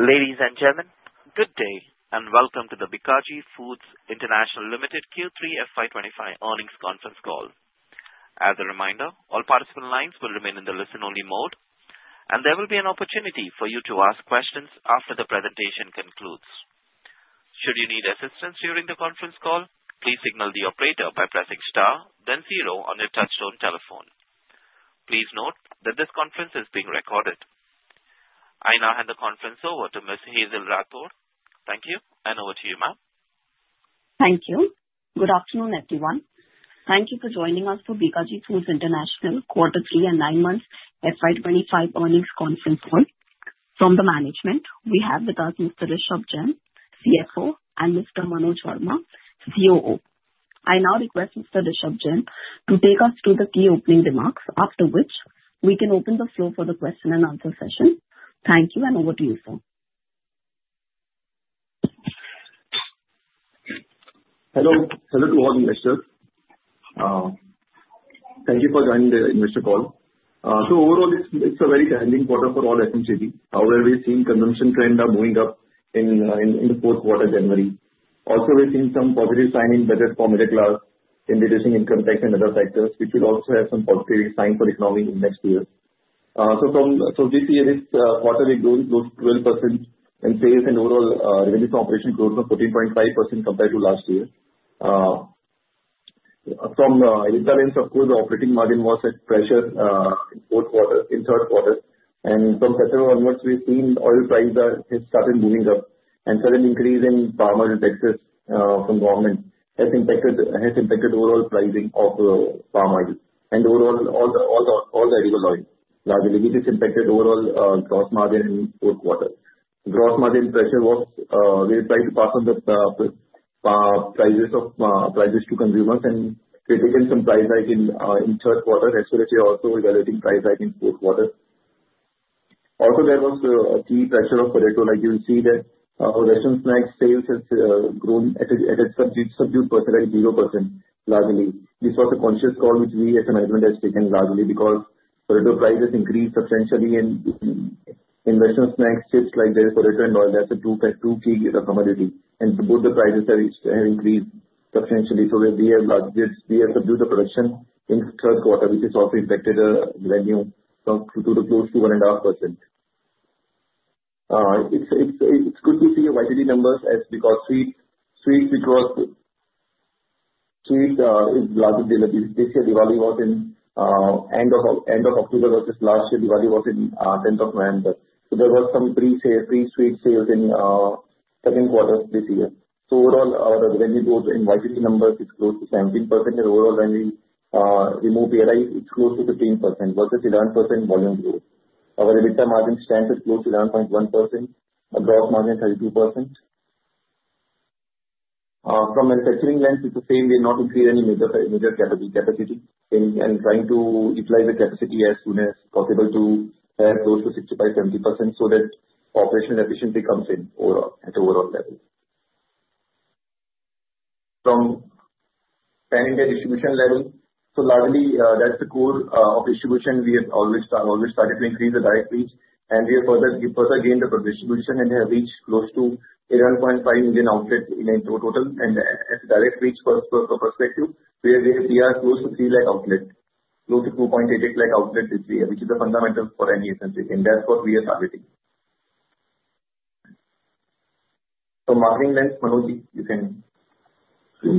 Ladies and gentlemen, good day and welcome to the Bikaji Foods International Limited Q3 FY25 Earnings Conference Call. As a reminder, all participant lines will remain in the listen-only mode, and there will be an opportunity for you to ask questions after the presentation concludes. Should you need assistance during the Conference Call, please signal the operator by pressing star, then zero on your touch-tone telephone. Please note that this Conference is being recorded. I now hand the Conference over to Ms. Hazel Rathod. Thank you, and over to you, ma'am. Thank you. Good afternoon, everyone. Thank you for joining us for Bikaji Foods International Quarter 3 and 9 Months FY25 Earnings Conference Call. From the management, we have with us Mr. Rishabh Jain, CFO, and Mr. Manoj Verma, COO. I now request Mr. Rishabh Jain to take us through the key opening remarks, after which we can open the floor for the question-and-answer session. Thank you, and over to you, sir. Hello, hello to all investors. Thank you for joining the Investor Call. So overall, it's a very challenging quarter for all FMCG, where we've seen consumption trends are moving up in the fourth quarter, January. Also, we've seen some positive signs in budget middle class, in reducing income tax and other factors, which will also have some positive signs for the economy next year. So this year, this quarter, it grows 12% in sales, and overall revenue from operations grows 14.5% compared to last year. From a different lens, of course, the operating margin was at pressure in third quarter. And from September onwards, we've seen oil prices have started moving up, and sudden increase in palm oil taxes from government has impacted overall pricing of palm oil and overall all the edible oil, largely. It has impacted overall gross margin in fourth quarter. Gross margin pressure was we tried to pass on the prices to consumers, and we didn't see some price hike in third quarter, as well as we're also evaluating price hike in fourth quarter. Also, there was a key pressure of potato. Like you will see that our Western snack sales have grown at a subdued percentage, 0%, largely. This was a conscious call which we as a management have taken, largely because potato prices increased substantially, and in Western snack chips like the potato and oil, that's a two-key commodity, and both the prices have increased substantially, so we have subdued the production in third quarter, which has also impacted revenue to close to 1.5%. It's good to see your YTD numbers as we got sweets because sweets is largely this year. Diwali was in end of October versus last year, Diwali was in 10th of November.There were some pre-festive sales in second quarter this year. Overall, our revenue growth in YTD numbers is close to 17%, and overall revenue growth year-over-year is close to 15% versus 11% volume growth. Our EBITDA margin stands at close to 11.1%, gross margin 32%. From a manufacturing lens, it's the same. We have not increased any major capacity and trying to utilize the capacity as soon as possible to close to 65%-70% so that operational efficiency comes in at overall level. From pan-India distribution level, so largely that's the core of distribution. We have also started to increase the direct reach, and we have further gained the distribution and have reached close to 11,500,000 outlets in total. As a direct reach perspective, we are close to 3 lakh outlets, close to 2.88 lakh outlets this year, which is fundamental for any FMCG, and that's what we are targeting. From marketing lens, Manoj, you can say.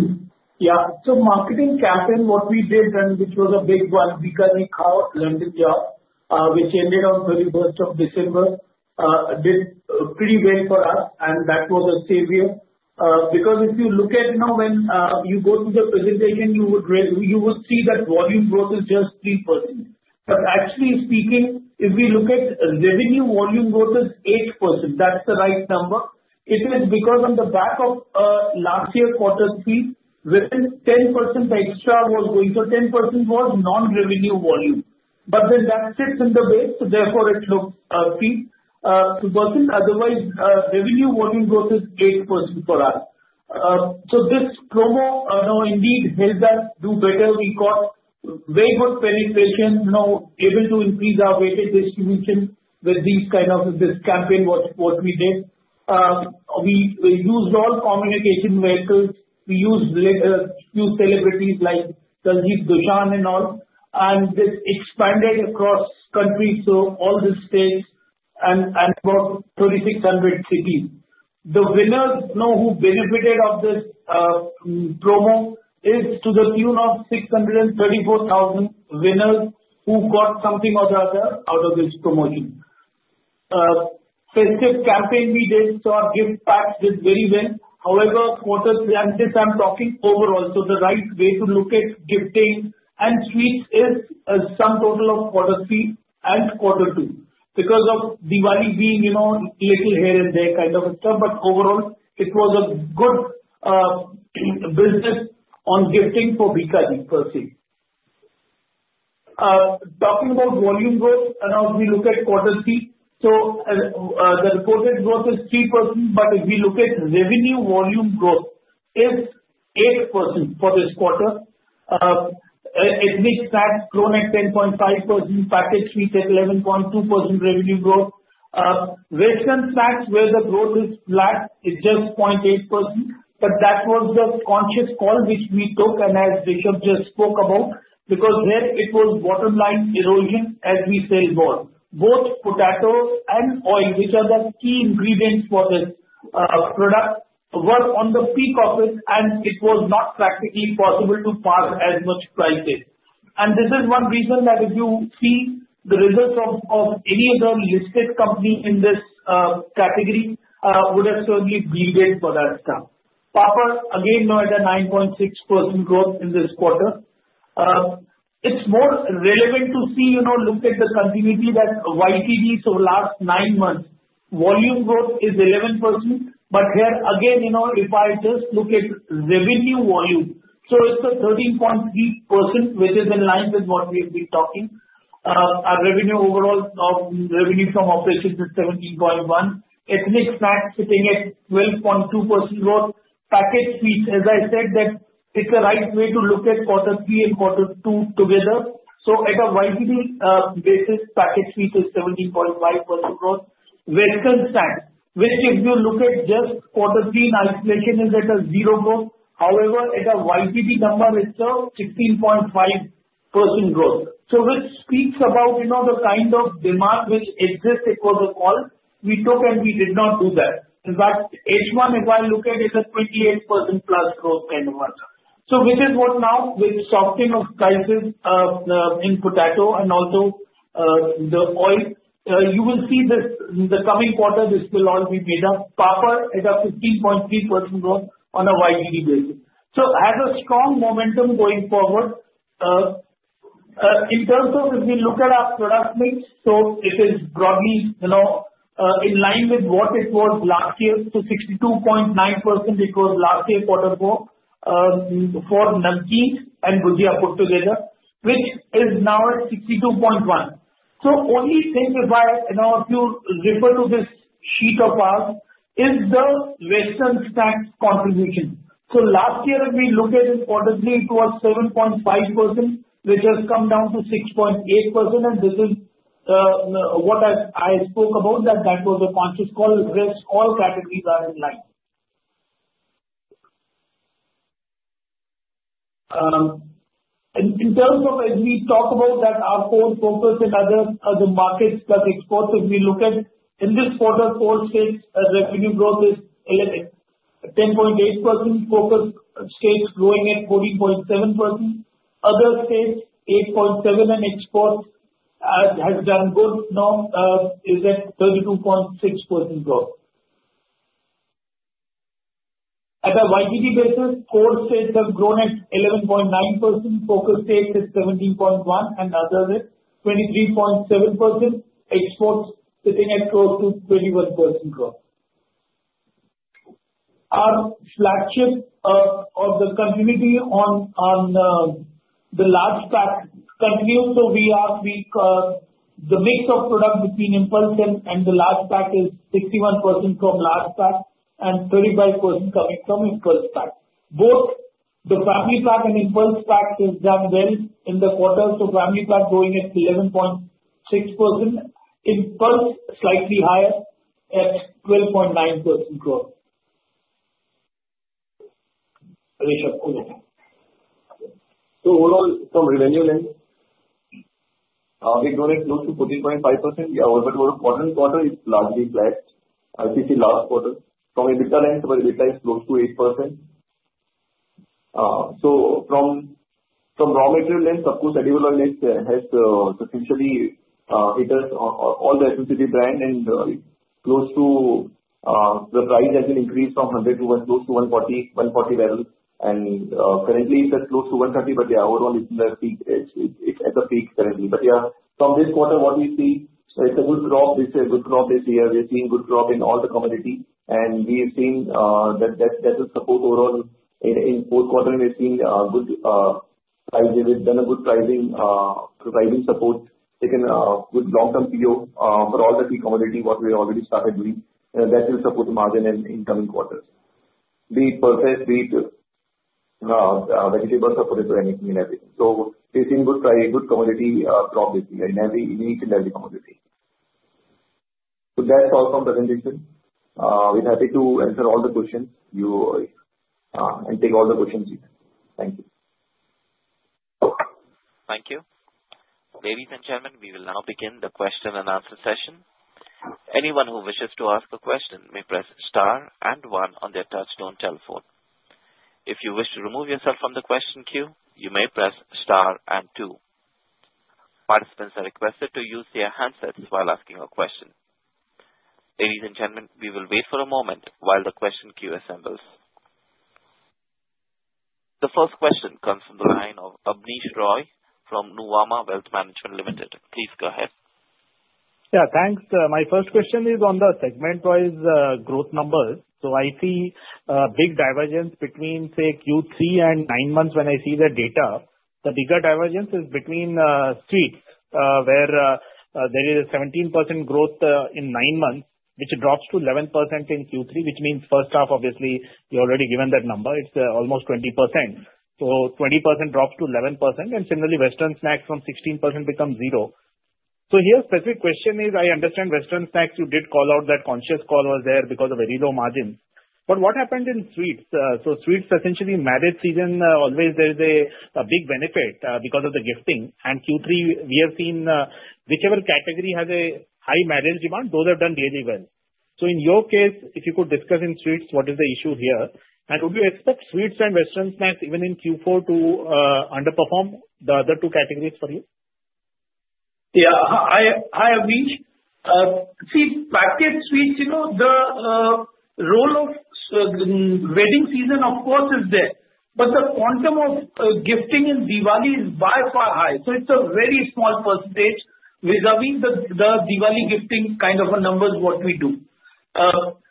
Yeah. So, marketing campaign, what we did, and which was a big one, Bikaji Foods London Jao, which ended on 31st of December, did pretty well for us, and that was a savior. Because if you look at when you go to the presentation, you would see that volume growth is just 3%, but actually speaking, if we look at revenue volume growth is 8%, that's the right number. It is because on the back of last year's quarter 3, within 10% extra was going, so 10% was non-revenue volume, but then that sits in the way, so therefore it looks cheap to us, so this promo indeed helped us do better. We got very good penetration, able to increase our weighted distribution with this kind of campaign, what we did. We used all communication vehicles. We used a few celebrities like Diljit Dosanjh and all, and this expanded across countries, so all the states and about 3,600 cities. The winners who benefited of this promo is to the tune of 634,000 winners who got something or the other out of this promotion. Festive campaign we did, so our gift packs did very well. However, quarter 3, as I'm talking, overall, so the right way to look at gifting and sweets is some total of quarter 3 and quarter 2 because of Diwali being a little here and there kind of a stuff. But overall, it was a good business on gifting for Bikaji Foods. Talking about volume growth, and as we look at quarter 3, so the reported growth is 3%, but if we look at revenue volume growth, it's 8% for this quarter. Ethnic snacks growing at 10.5%, packaged sweets at 11.2% revenue growth. Western snacks, where the growth is flat, is just 0.8%. But that was the conscious call which we took, and as Rishabh just spoke about, because there it was bottom line erosion as we sell more. Both potato and oil, which are the key ingredients for this product, were on the peak of it, and it was not practically possible to pass as much prices. And this is one reason that if you see the results of any of the listed companies in this category, would have certainly bled for that stuff. Papad, again, no other 9.6% growth in this quarter. It's more relevant to see, look at the continuity that YTD, so last 9 months, volume growth is 11%.But here, again, if I just look at revenue volume, so it's 13.3%, which is in line with what we have been talking. Our overall revenue from operations is 17.1%. Ethnic snacks sitting at 12.2% growth. Packaged sweets, as I said, that it's the right way to look at quarter 3 and quarter 2 together. So at a YTD basis, packaged sweets is 17.5% growth. Western snacks, which if you look at just quarter 3 in isolation, is at a 0% growth. However, at a YTD number, it's 16.5% growth. So which speaks about the kind of demand which exists for the call we took, and we did not do that. In fact, H1, if I look at it, is a 28% plus growth kind of. So this is what now, with the softening of prices in potato and also the oil, you will see this in the coming quarter. This will all be made up. Papad at a 15.3% growth on a YTD basis. So it has a strong momentum going forward. In terms of if we look at our product mix, so it is broadly in line with what it was last year, so 62.9% it was last year quarter 4 for namkeen and bhujia together, which is now at 62.1%. So only thing if I refer to this sheet of ours is the western snacks contribution. So last year, if we look at it quarterly, it was 7.5%, which has come down to 6.8%, and this is what I spoke about, that that was a conscious call. Rest all categories are in linIn terms of if we talk about that our core focus and other markets plus exports, if we look at in this quarter, four states' revenue growth is 11%, 10.8%, focus states growing at 14.7%, other states 8.7%, and exports has done good, is at 32.6% growth. On a YTD basis, four states have grown at 11.9%, focus states at 17.1%, and others at 23.7%, exports sitting at close to 21% growth. Our flagship of the continuity on the large pack continues, so the mix of product between Impulse and the large pack is 61% from large pack and 35% coming from Impulse pack. Both the family pack and Impulse pack have done well in the quarter, so family pack growing at 11.6%, Impulse slightly higher at 12.9% growth. Rishabh, overall. So overall, from revenue lens, we grow at close to 14.5%. Yeah, overall quarter and quarter is largely flat. As you see last quarter, from EBITDA lens, our EBITDA is close to 8%. So from raw material lens, of course, edible oil has substantially hit us, all the FMCG brand, and close to the price has been increased from close to 140 level. And currently, it's at close to 130, but yeah, overall, it's at the peak currently. But yeah, from this quarter, what we see, it's a good growth. This is a good growth this year. We're seeing good growth in all the commodities, and we've seen that that will support overall. In fourth quarter, we've seen good pricing. We've done a good pricing support. Taken good long-term PO for all the key commodities, what we already started doing, and that will support the margin in coming quarters. Be it perishables, be it vegetables, or be it anything and everything. So we've seen good quality, strong this year, in each and every commodity. So that's all from presentation. We're happy to answer all the questions and take all the questions you have. Thank you. Thank you, ladies and gentlemen, we will now begin the question and answer session. Anyone who wishes to ask a question may press star and one on their touch-tone telephone. If you wish to remove yourself from the question queue, you may press star and two. Participants are requested to use their handsets while asking a question. Ladies and gentlemen, we will wait for a moment while the question queue assembles. The first question comes from the line of Abneesh Roy from Nuvama Wealth Management Limited. Please go ahead. Yeah, thanks. My first question is on the segment-wise growth numbers, so I see a big divergence between, say, Q3 and nine months when I see the data. The bigger divergence is between sweets, where there is a 17% growth in 9 months, which drops to 11% in Q3, which means first half, obviously, we're already given that number. It's almost 20%, so 20% drops to 11%, and similarly, Western snacks from 16% become 0%. So here, specific question is, I understand Western snacks, you did call out that conscious call was there because of very low margins, but what happened in sweets? So sweets, essentially, marriage season, always there is a big benefit because of the gifting, and Q3, we have seen whichever category has a high marriage demand, those have done really well, so in your case, if you could discuss in sweets, what is the issue here? Would you expect sweets and Western snacks, even in Q4, to underperform the other two categories for you? Yeah, I agree. See, packaged sweets, the role of wedding season, of course, is there. But the quantum of gifting in Diwali is by far high. So it's a very small percentage. We're having the Diwali gifting kind of numbers, what we do.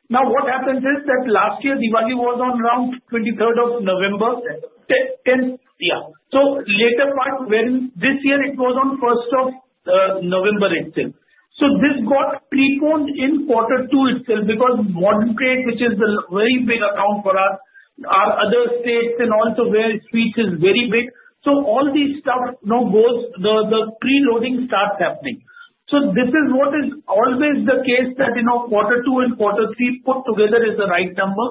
Now, what happens is that last year, Diwali was on around 23rd of November. Yeah. So later part, when this year, it was on 1st of November itself. So this got preponed in quarter 2 itself because modern trade, which is the very big account for us, our other states and also where sweets is very big. So all these stuff goes, the preloading starts happening. So this is what is always the case that quarter 2 and quarter 3 put together is the right number.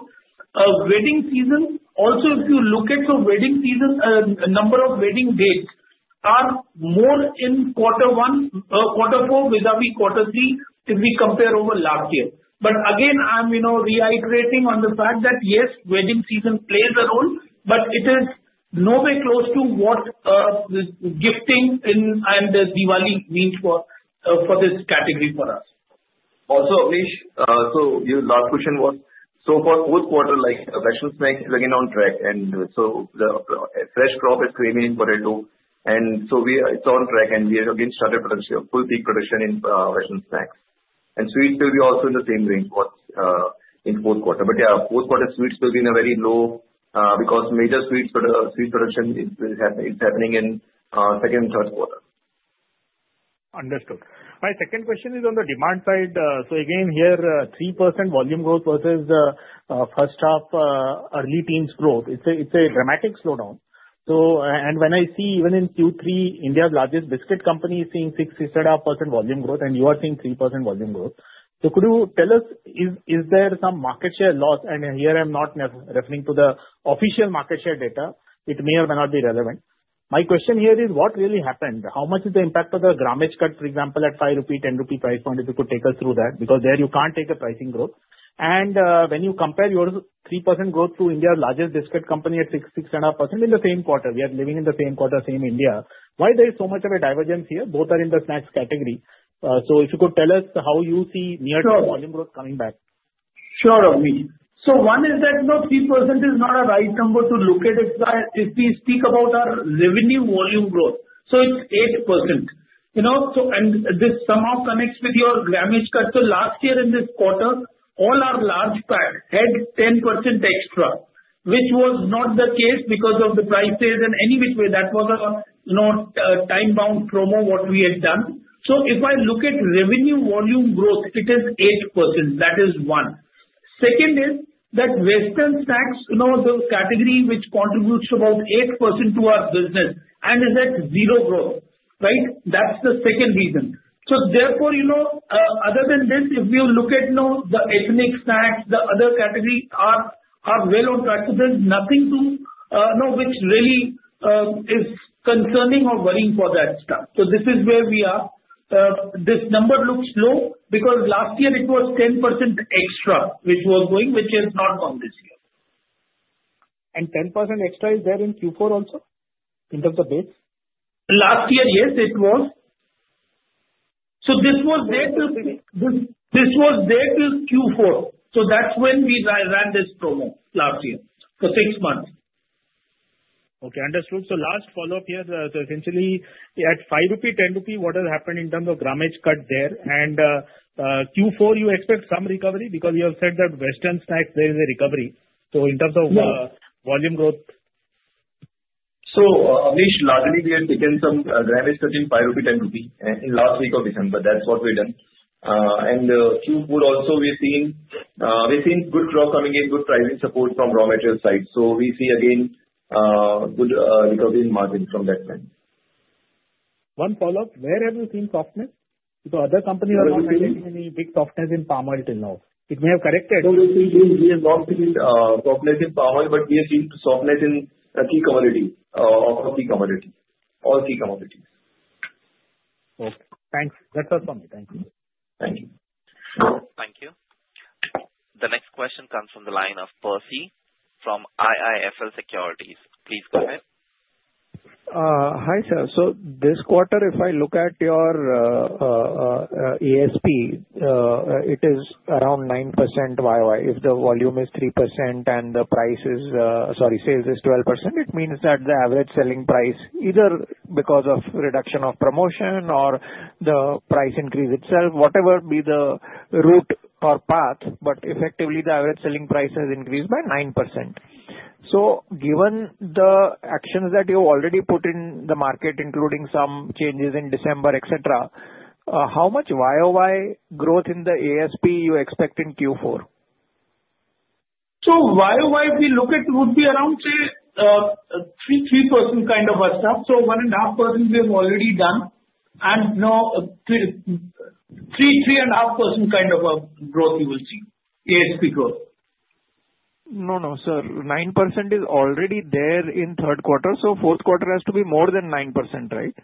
Wedding season. Also, if you look at the wedding season, number of wedding dates are more in quarter 1, quarter 4, with a weak quarter 3 if we compare over last year. But again, I'm reiterating on the fact that, yes, wedding season plays a role, but it is nowhere close to what gifting and Diwali means for this category for us. Also, Abnesh, so your last question was, so for fourth quarter, like western snacks is again on track, and so the fresh crop is remaining for end of, and so it's on track, and we have again started full peak production in western snacks, and sweets will be also in the same range in fourth quarter, but yeah, fourth quarter, sweets will be in a very low because major sweets production is happening in second and third quarter. Understood. My second question is on the demand side. So again, here, 3% volume growth versus first half, 18% growth. It's a dramatic slowdown. And when I see, even in Q3, India's largest biscuit company is seeing 6.5% volume growth, and you are seeing 3% volume growth. So could you tell us, is there some market share loss? And here, I'm not referring to the official market share data. It may or may not be relevant. My question here is, what really happened? How much is the impact of the gramage cut, for example, at 5 rupee, 10 rupee price point? If you could take us through that because there you can't take a pricing growth. When you compare your 3% growth to India's largest biscuit company at 6.5% in the same quarter, we are living in the same quarter, same India. Why there is so much of a divergence here? Both are in the snacks category, so if you could tell us how you see near-term volume growth coming back. Sure, Abnesh. So one is that 3% is not a right number to look at it. If we speak about our revenue volume growth, so it's 8%. And this somehow connects with your gramage cut. So last year, in this quarter, all our large pack had 10% extra, which was not the case because of the prices. And anyway, that was a time-bound promo, what we had done. So if I look at revenue volume growth, it is 8%. That is one. Second is that Western snacks, the category which contributes about 8% to our business, and is at zero growth, right? That's the second reason. So therefore, other than this, if you look at the ethnic snacks, the other categories are well on track. So there's nothing to which really is concerning or worrying for that stuff. So this is where we are. This number looks low because last year, it was 10% extra, which was going, which has not gone this year. 10% extra is there in Q4 also? End of the base? Last year, yes, it was. So this was there till Q4. So that's when we ran this promo last year for 6 months. Okay, understood. So last follow-up here, essentially, at 5 rupee, 10 rupee, what has happened in terms of gramage cut there? And Q4, you expect some recovery because you have said that western snacks, there is a recovery. So in terms of volume growth? Abnesh, largely, we have taken some gramage cut in 5 rupee, 10 rupee in last week of December. That's what we've done. Q4 also, we've seen good growth coming in, good pricing support from raw material side. We see again good recovery in margin from that time. One follow-up. Where have you seen softness? Because other companies are not seeing any big softness in palm oil till now. It may have corrected. So we have seen softness in palm oil, but we have seen softness in key commodities, all key commodities. Okay. Thanks. That's all from me. Thank you. Thank you. Thank you. The next question comes from the line of Percy from IIFL Securities. Please go ahead. Hi, sir. So this quarter, if I look at your ASP, it is around 9% YY. If the volume is 3% and the price is, sorry, sales is 12%, it means that the average selling price, either because of reduction of promotion or the price increase itself, whatever be the route or path, but effectively, the average selling price has increased by 9%. So given the actions that you've already put in the market, including some changes in December, etc., how much YY growth in the ASP you expect in Q4? YY, if we look at, would be around, say, 3% kind of a stuff. 1.5% we have already done. Now, 3-3.5% kind of a growth you will see, ASP growth. No, no, sir. 9% is already there in third quarter. So fourth quarter has to be more than 9%, right?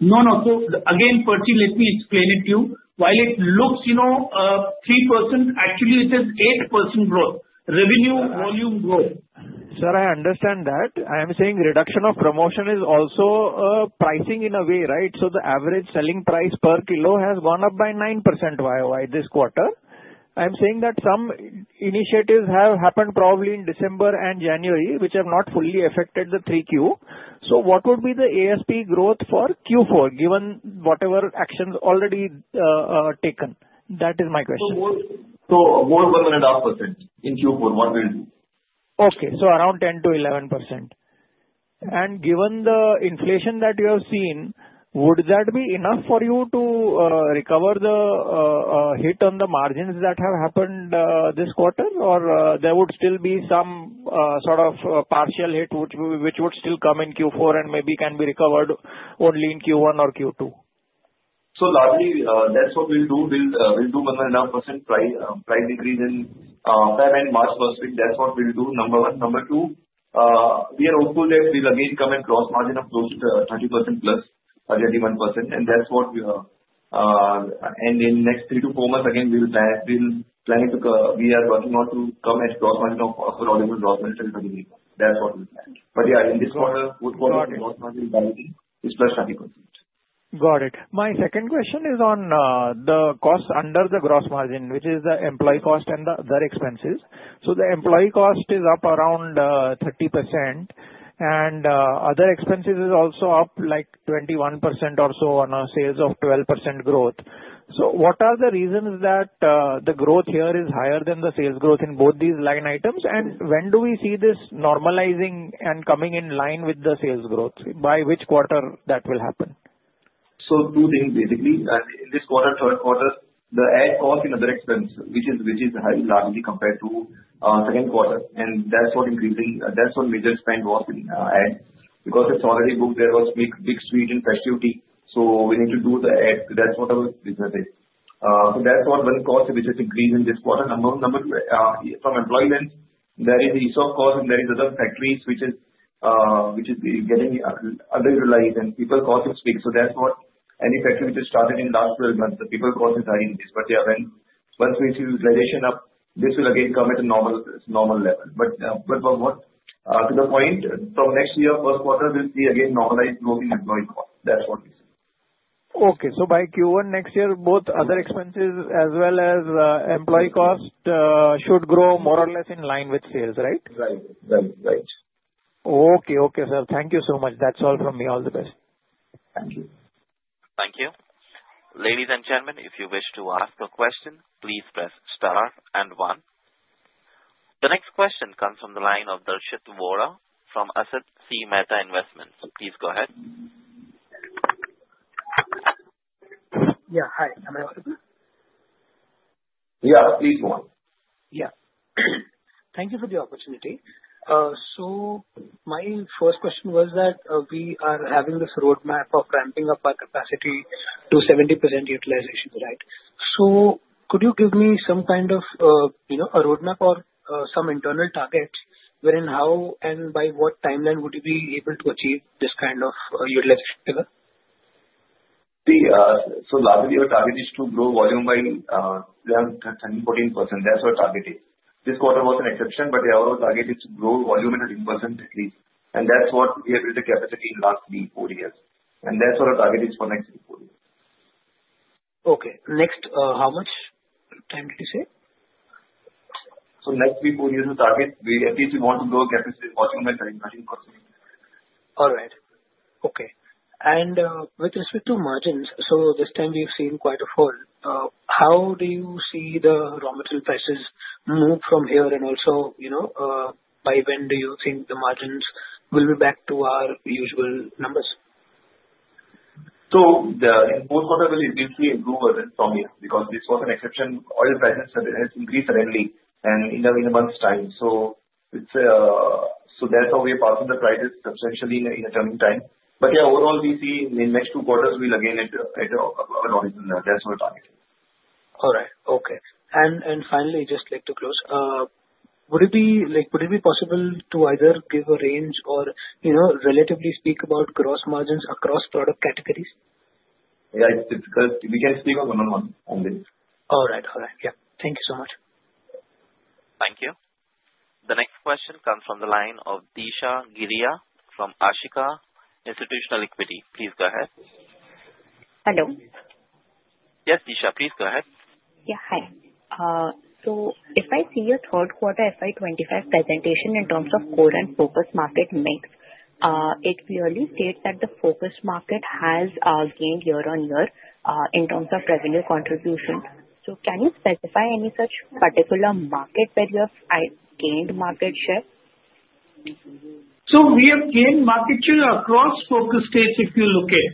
No, no. So again, Percy, let me explain it to you. While it looks 3%, actually, it is 8% growth, revenue volume growth. Sir, I understand that. I am saying reduction of promotion is also pricing in a way, right? So the average selling price per kilo has gone up by 9% YY this quarter. I'm saying that some initiatives have happened probably in December and January, which have not fully affected the 3Q. So what would be the ASP growth for Q4, given whatever actions already taken? That is my question. So more than 1.5% in Q4, what will it be? Okay. So around 10%-11%. And given the inflation that you have seen, would that be enough for you to recover the hit on the margins that have happened this quarter, or there would still be some sort of partial hit, which would still come in Q4 and maybe can be recovered only in Q1 or Q2? Largely, that's what we'll do. We'll do more than 1.5% price increase in February and March first week. That's what we'll do, number one. Number two, we are hopeful that we'll again come at gross margin of close to 30% plus or 31%. And that's what we are. And in the next three to four months, again, we'll plan it. We are working on to come at gross margin of roughly gross margin 30%. That's what we plan. Yeah, in this quarter, good quality gross margin is plus 30%. Got it, my second question is on the cost under the gross margin, which is the employee cost and the other expenses, so the employee cost is up around 30%, and other expenses is also up like 21% or so on a sales of 12% growth, so what are the reasons that the growth here is higher than the sales growth in both these line items, and when do we see this normalizing and coming in line with the sales growth, by which quarter that will happen? So two things, basically. In this quarter, third quarter, the ad cost in other expenses, which is highly largely compared to second quarter. And that's what's increasing. That's the major spend, which was in ad because it's already booked. There was big sweets and festive season. So we need to do the ad. That's what our business is. So that's the one cost, which is increasing this quarter. From employee lens, there is the ESOP cost, and there is other factories, which is getting underutilized, and people cost will spike. So that's why any factory which has started in the last 12 months, the people cost is high increase. But yeah, once we see utilization up, this will again come at a normal level. But to the point, from next year, first quarter, we'll see again normalized growth in employee cost. That's what we see. Okay. So by Q1 next year, both other expenses as well as employee cost should grow more or less in line with sales, right? Right, right, right. Okay, okay, sir. Thank you so much. That's all from me. All the best. Thank you. Thank you. Ladies and gentlemen, if you wish to ask a question, please press star and one. The next question comes from the line of Darshit Vora from Asit C. Mehta Investments. Please go ahead. Yeah, hi. Am I audible? Yeah, please go on. Yeah. Thank you for the opportunity. So my first question was that we are having this roadmap of ramping up our capacity to 70% utilization, right? So could you give me some kind of a roadmap or some internal targets wherein how and by what timeline would you be able to achieve this kind of utilization together? So largely, our target is to grow volume by 10%-14%. That's our target is. This quarter was an exception, but our target is to grow volume in 10% at least. And that's what we have built a capacity in the last four years. And that's what our target is for next four years. Okay. Next, how much time did you say? So next four years' target, at least we want to grow capacity, volume by 10%. All right. Okay. And with respect to margins, so this time we've seen quite a fall. How do you see the raw material prices move from here? And also, by when do you think the margins will be back to our usual numbers? So in both quarters, we'll see improvement from here because this was an exception. Oil prices have increased readily in a month's time. So that's how we're passing the prices substantially in a turning time. But yeah, overall, we see in the next two quarters, we'll again at our normal. That's our target. All right. Okay. And finally, just to close, would it be possible to either give a range or relatively speak about gross margins across product categories? Yeah, it's difficult. We can't speak on one-on-one only. All right. All right. Yeah. Thank you so much. Thank you. The next question comes from the line of Disha Giriya from Ashika Institutional Equity. Please go ahead. Hello. Yes, Disha, please go ahead. Yeah, hi. So if I see your third quarter FY25 Presentation in terms of core and focus market mix, it clearly states that the focus market has gained year on year in terms of revenue contribution. So can you specify any such particular market where you have gained market share? So we have gained market share across focus states, if you look at,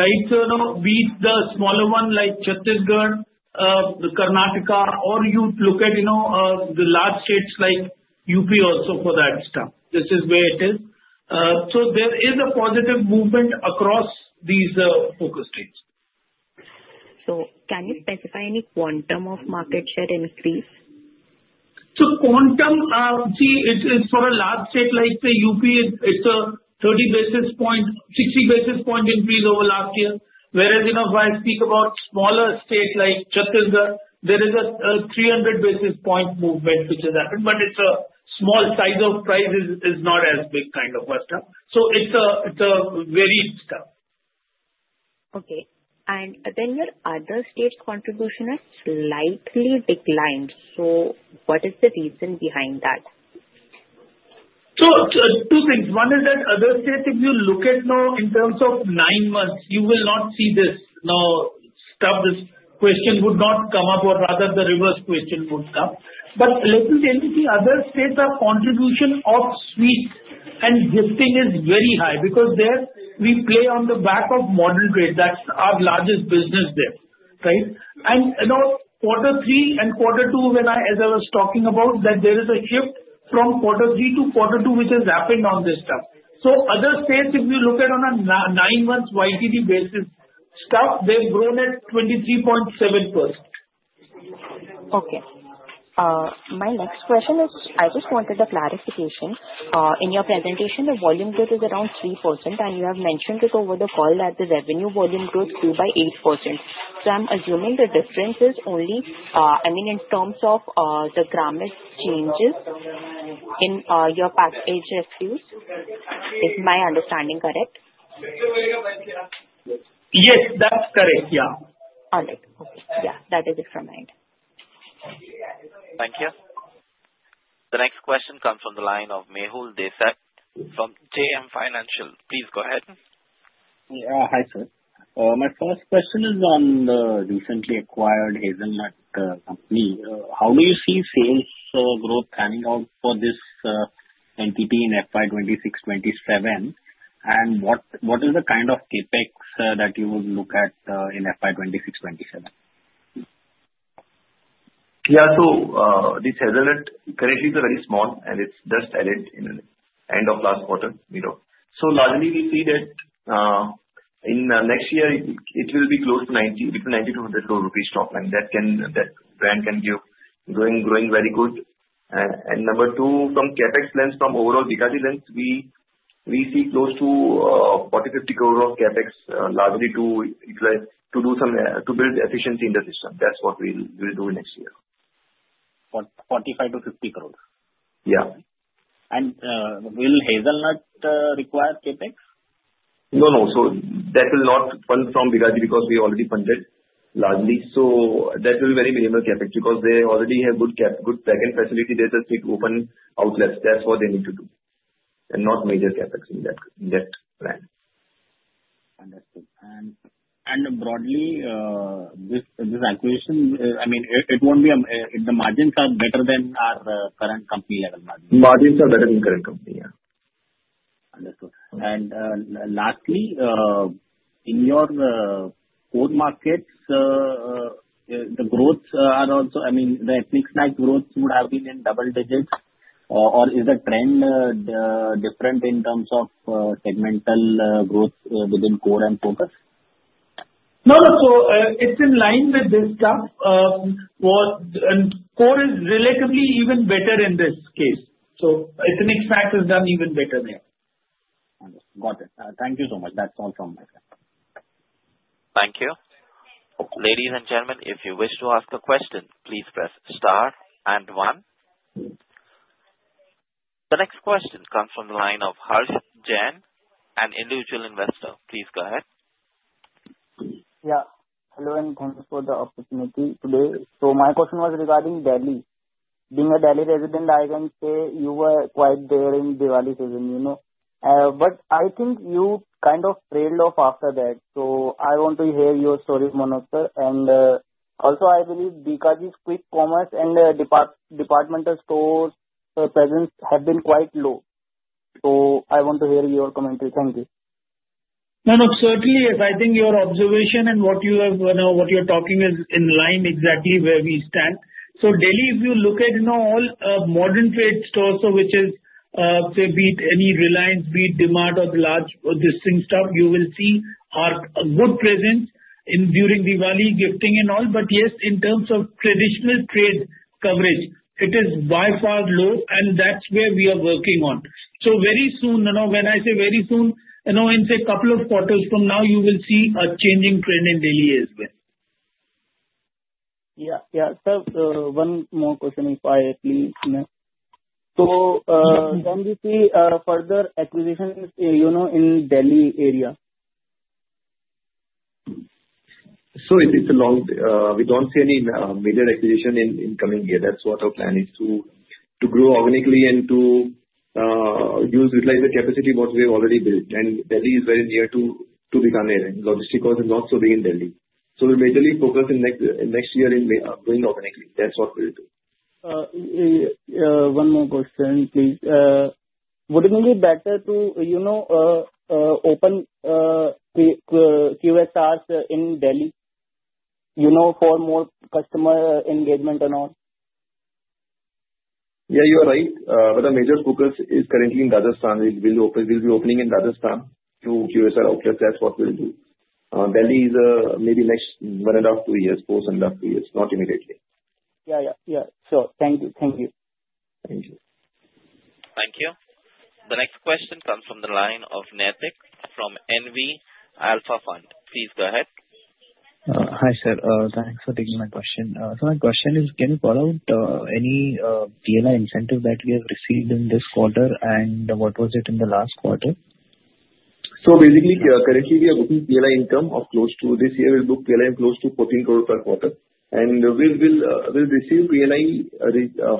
right? So be it the smaller one like Chhattisgarh, Karnataka, or you look at the large states like UP also for that stuff. This is where it is. So there is a positive movement across these focus states. Can you specify any quantum of market share increase? So quantum, see, it's for a large state like the UP. It's a 30 basis point, 60 basis point increase over last year. Whereas if I speak about smaller state like Chhattisgarh, there is a 300 basis point movement which has happened. But it's a small size, the price is not as big kind of a stuff. So it's a varied stuff. Okay. And then your other states' contribution has slightly declined. So what is the reason behind that? So two things. One is that other states, if you look at now in terms of nine months, you will not see this now. Stuff, this question would not come up, or rather the reverse question would come. But let me tell you, the other states' contribution of sweet and gifting is very high because there we play on the back of modern trade. That's our largest business there, right? And quarter three and quarter two, as I was talking about, that there is a shift from quarter three to quarter two which has happened on this stuff. So other states, if you look at on a 9-month YTD basis stuff, they've grown at 23.7%. Okay. My next question is, I just wanted a clarification. In your presentation, the volume growth is around 3%, and you have mentioned it over the call that the revenue volume growth grew by 8%. So I'm assuming the difference is only, I mean, in terms of the grammage changes in your packaging. Is my understanding correct? Yes, that's correct. Yeah. All right. Okay. Yeah, that is it from my end. Thank you. The next question comes from the line of Mehul Desai from JM Financial. Please go ahead. Hi, sir. My first question is on the recently acquired The Hazelnut Factory. How do you see sales growth panning out for this entity in FY26-27? And what is the kind of CapEx that you would look at in FY26-27? Yeah, so this Hazelnut currently is very small, and it's just added in the end of last quarter. So largely, we see that in next year, it will be close to 90- 100 crore rupees stock line. That brand can be growing very good. And number two, from CapEx lens, from overall Bikaji lens, we see close to 40- 50 crore of CapEx, largely to do some to build efficiency in the system. That's what we will do next year. 45- 50 crore? Yeah. Will Hazelnut require CapEx? No, no. So that will not fund from BKG because we already funded largely. So that will be very minimal CapEx because they already have good backend facility. They just need to open outlets. That's what they need to do, and not major CapEx in that plan. Understood, and broadly, this acquisition, I mean, it won't be the margins are better than our current company level margins? Margins are better than current company, yeah. Understood. And lastly, in your core markets, the growths are also, I mean, the ethnic snack growth would have been in double digits. Or is the trend different in terms of segmental growth within core and focus? No, no. So it's in line with this stuff. And core is relatively even better in this case. So ethnic snack is done even better there. Understood. Got it. Thank you so much. That's all from my side. Thank you. Ladies and gentlemen, if you wish to ask a question, please press star and one. The next question comes from the line of Harshit Jain, an individual investor. Please go ahead. Yeah. Hello and thanks for the opportunity today so my question was regarding Delhi, being a Delhi resident, I can say you were quite there in Diwali season but I think you kind of trailed off after that so I want to hear your story, Manohar, and also, I believe BKG's quick commerce and departmental stores presence have been quite low so I want to hear your commentary. Thank you. No, no. Certainly, yes. I think your observation and what you are talking is in line exactly where we stand. So Delhi, if you look at all modern trade stores which is, say, be it any Reliance, be it DMart, or the large existing stuff, you will see our good presence during Diwali, gifting and all. But yes, in terms of traditional trade coverage, it is by far low, and that's where we are working on. So very soon, when I say very soon, in a couple of quarters from now, you will see a changing trend in Delhi as well. Yeah, yeah. Sirs, one more question if I may. So when we see further acquisitions in Delhi area? It's along the lines, we don't see any major acquisition in the coming year. That's what our plan is to grow organically and to utilize the capacity that we have already built. Delhi is very near to Bikaner. Logistics was not so big in Delhi. We'll majorly focus in the next year on going organically. That's what we'll do. One more question, please. Wouldn't it be better to open QSRs in Delhi for more customer engagement and all? Yeah, you are right. But our major focus is currently in Rajasthan. We'll be opening in Rajasthan to QSR outlets. That's what we'll do. Delhi is maybe next 1.5,2 years,4.5 years. Not immediately. Yeah, yeah, yeah. Sure. Thank you. Thank you. Thank you. Thank you. The next question comes from the line of Naitik from NV Alpha Fund. Please go ahead. Hi, sir. Thanks for taking my question. So my question is, can you call out any PLI incentive that we have received in this quarter? And what was it in the last quarter? So basically, currently, we are booking PLI income of close to this year. We'll book PLI in close to 14 crore per quarter. And we'll receive PLI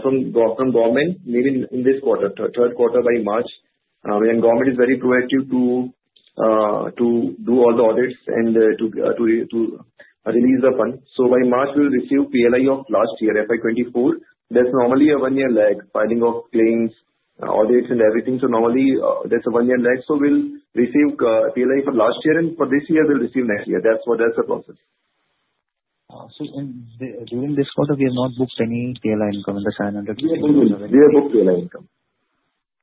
from government maybe in this quarter, third quarter by March. And government is very proactive to do all the audits and to release the fund. So by March, we'll receive PLI of last year, FY 2024. There's normally a one-year lag, filing of claims, audits, and everything. So normally, there's a one-year lag. So we'll receive PLI for last year, and for this year, we'll receive next year. That's the process. During this quarter, we have not booked any PLI income in the same quarter this year? We have booked PLI income.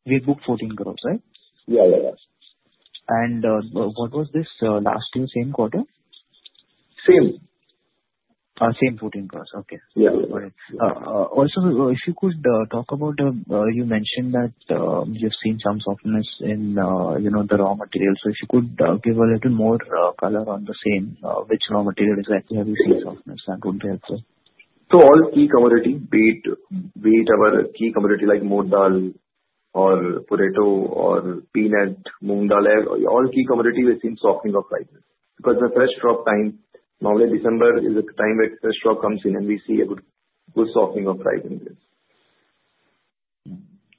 We have booked 14 crore, right? Yeah, yeah, yeah. What was this last year, same quarter? Same. Same, INR 14 crore. Okay. Yeah, yeah, yeah. Also, if you could talk about, you mentioned that you've seen some softness in the raw materials, so if you could give a little more color on the same, which raw material exactly have you seen softness? That would be helpful. All key commodities, be it our key commodity like Moong dal or potato or peanut, Moong dal, all key commodities, we've seen softening of prices because the fresh crop time. Normally December is the time when fresh crop comes in, and we see a good softening of price in this.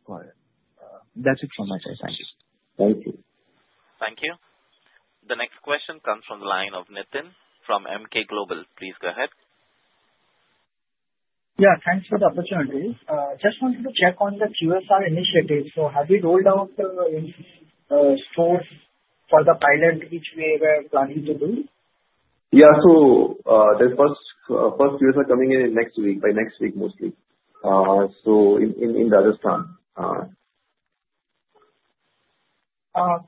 Got it. That's it from my side. Thank you. Thank you. Thank you. The next question comes from the line of Nithin from Emkay Global. Please go ahead. Yeah. Thanks for the opportunity. Just wanted to check on the QSR initiative. So have you rolled out in stores for the pilot which we were planning to do? Yeah. So the first QSR coming in next week, by next week mostly, so in Rajasthan.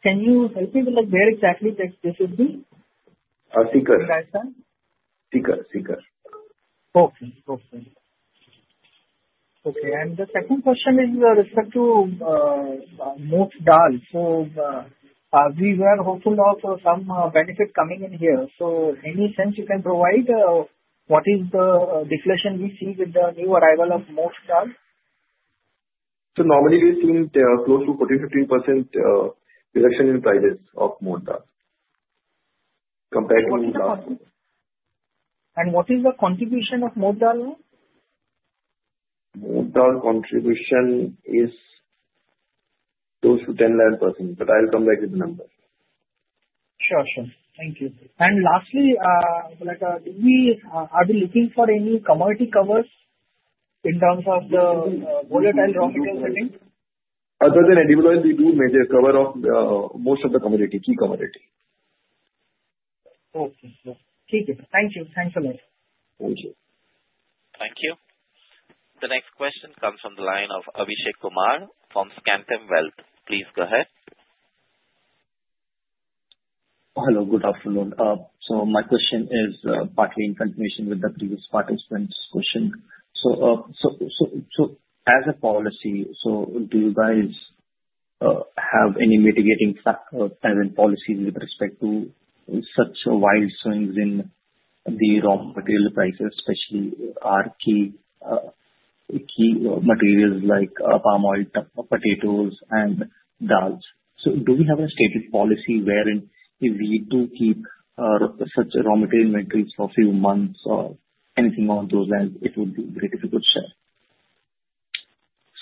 Can you help me with where exactly this would be? Sikar. In Rajasthan? Sikar, Sikar. And the second question is with respect to moong dal. So we were hopeful of some benefit coming in here. So any sense you can provide what is the deflation we see with the new arrival of moong dal? So normally, we've seen close to 14%-15% reduction in prices of moong dal compared to last year. And what is the contribution of moong dal now? Moong dal contribution is close to 10 lakh %. But I'll come back with the number. Sure, sure. Thank you. And lastly, are we looking for any commodity covers in terms of the volatile raw material setting? Other than edible oil, we do major cover of most of the commodity, key commodity. Okay. Thank you. Thank you so much. Thank you. Thank you. The next question comes from the line of Abhishek Kumar from Centrum Wealth. Please go ahead. Hello. Good afternoon. So my question is partly in continuation with the previous participant's question. So as a policy, do you guys have any mitigating policies with respect to such wild swings in the raw material prices, especially our key materials like palm oil, potatoes, and dals? So do we have a stated policy wherein if we do keep such raw material inventories for a few months or anything along those lines, it would be great if you could share?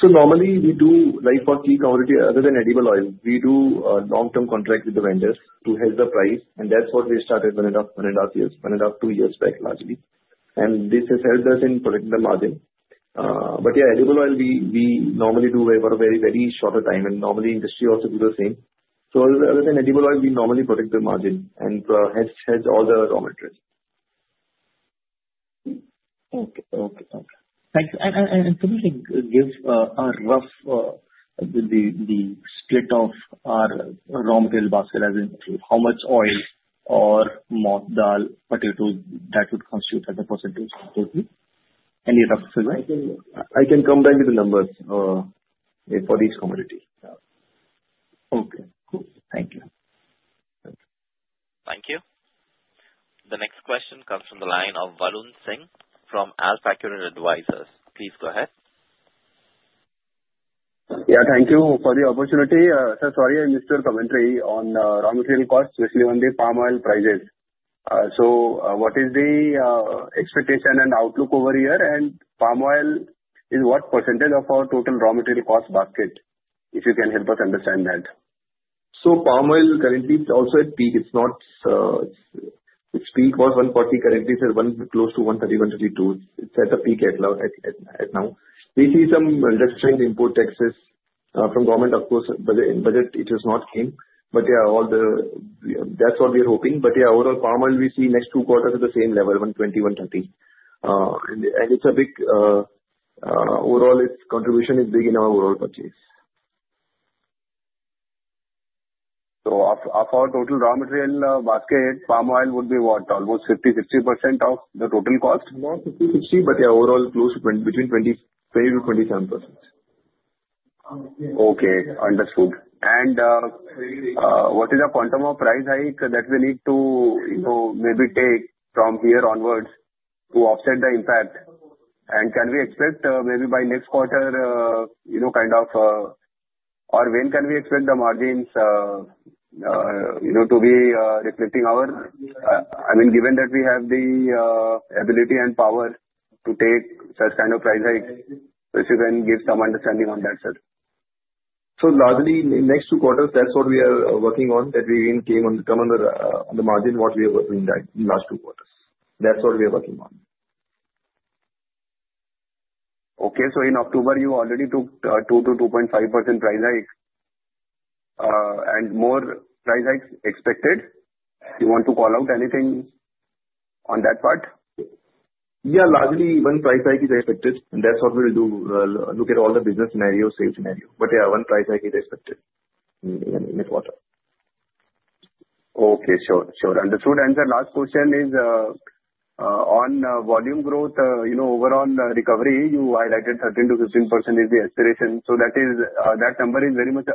So normally, we do, for key commodity other than edible oil, we do long-term contracts with the vendors to hedge the price. And that's what we started one and a half, two years back, largely. And this has helped us in protecting the margin. But yeah, edible oil, we normally do over a very, very short time. And normally, industry also do the same. So other than edible oil, we normally protect the margin and hedge all the raw materials. Okay. Thanks. And could you give a rough split of our raw material basket, as in how much oil or moong dal, potatoes that would constitute as a percentage? Any rough figure? I can come back with the numbers for these commodities. Okay. Cool. Thank you. Thank you. The next question comes from the line of Varun Singh from AlfAccurate Advisors. Please go ahead. Yeah, thank you for the opportunity. Sir, sorry, I missed your commentary on raw material cost, especially when the palm oil prices. So what is the expectation and outlook over here? And palm oil is what percentage of our total raw material cost basket? If you can help us understand that. So palm oil currently is also at peak. It's not its peak was 140. Currently, it's close to 130, 132. It's at a peak at now. We see some reduction in import taxes from government, of course. But in budget, it has not came. But yeah, that's what we are hoping. But yeah, overall, palm oil, we see next 2 quarters at the same level, 120, 130. And it's a big overall, its contribution is big in our overall purchase. Of our total raw material basket, palm oil would be what? Almost 50%-60% of the total cost? Not 50%, 60%, but yeah, overall close to between 20%-27%. Okay. Understood. And what is the quantum of price hike that we need to maybe take from here onwards to offset the impact? And can we expect maybe by next quarter kind of or when can we expect the margins to be reflecting our I mean, given that we have the ability and power to take such kind of price hike, if you can give some understanding on that, sir? So, largely, next 2 quarters, that's what we are working on, that we came on the margin what we were doing in last two quarters. That's what we are working on. Okay. So in October, you already took 2%-2.5% price hike. And more price hikes expected? You want to call out anything on that part? Yeah. Largely, one price hike is expected, and that's what we will do. Look at all the business scenarios, sales scenario, but yeah, one price hike is expected in this quarter. Okay. Sure, sure. Understood, and sir, last question is on volume growth overall recovery. You highlighted 13%-15% is the aspiration. So that number is very much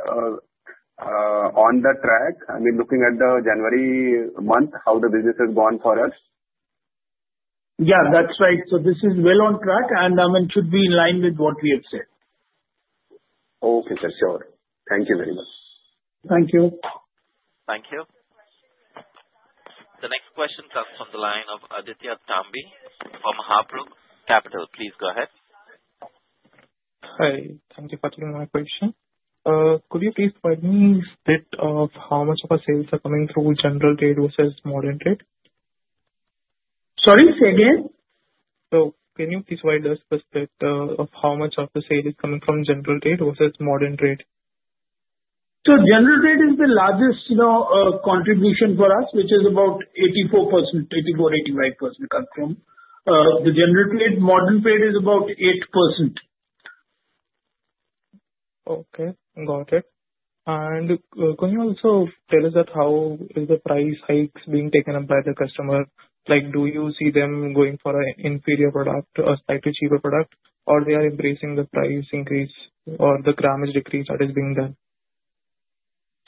on the track. I mean, looking at the January month, how the business has gone for us? Yeah, that's right. So this is well on track. And I mean, it should be in line with what we have said. Okay, sir. Sure. Thank you very much. Thank you. Thank you. The next question comes from the line of Aditya Tambi from Habrok Capital. Please go ahead. Hi. Thank you for taking my question. Could you please provide me a split of how much of our sales are coming through general trade versus modern trade? Sorry, say again? So can you please provide us the split of how much of the sale is coming from general trade versus modern trade? General trade is the largest contribution for us, which is about 84%-85% come from. Modern trade is about 8%. Okay. Got it. And can you also tell us how the price hikes being taken up by the customer? Do you see them going for an inferior product or slightly cheaper product, or they are embracing the price increase or the gramage decrease that is being done?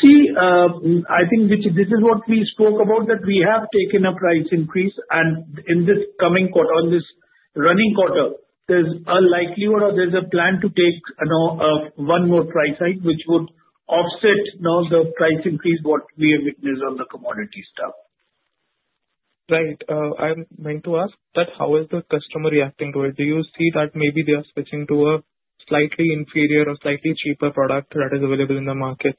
See, I think this is what we spoke about, that we have taken a price increase, and in this coming quarter, on this running quarter, there's a likelihood or there's a plan to take one more price hike which would offset the price increase what we have witnessed on the commodity stuff. Right. I'm going to ask that, how is the customer reacting to it? Do you see that maybe they are switching to a slightly inferior or slightly cheaper product that is available in the market?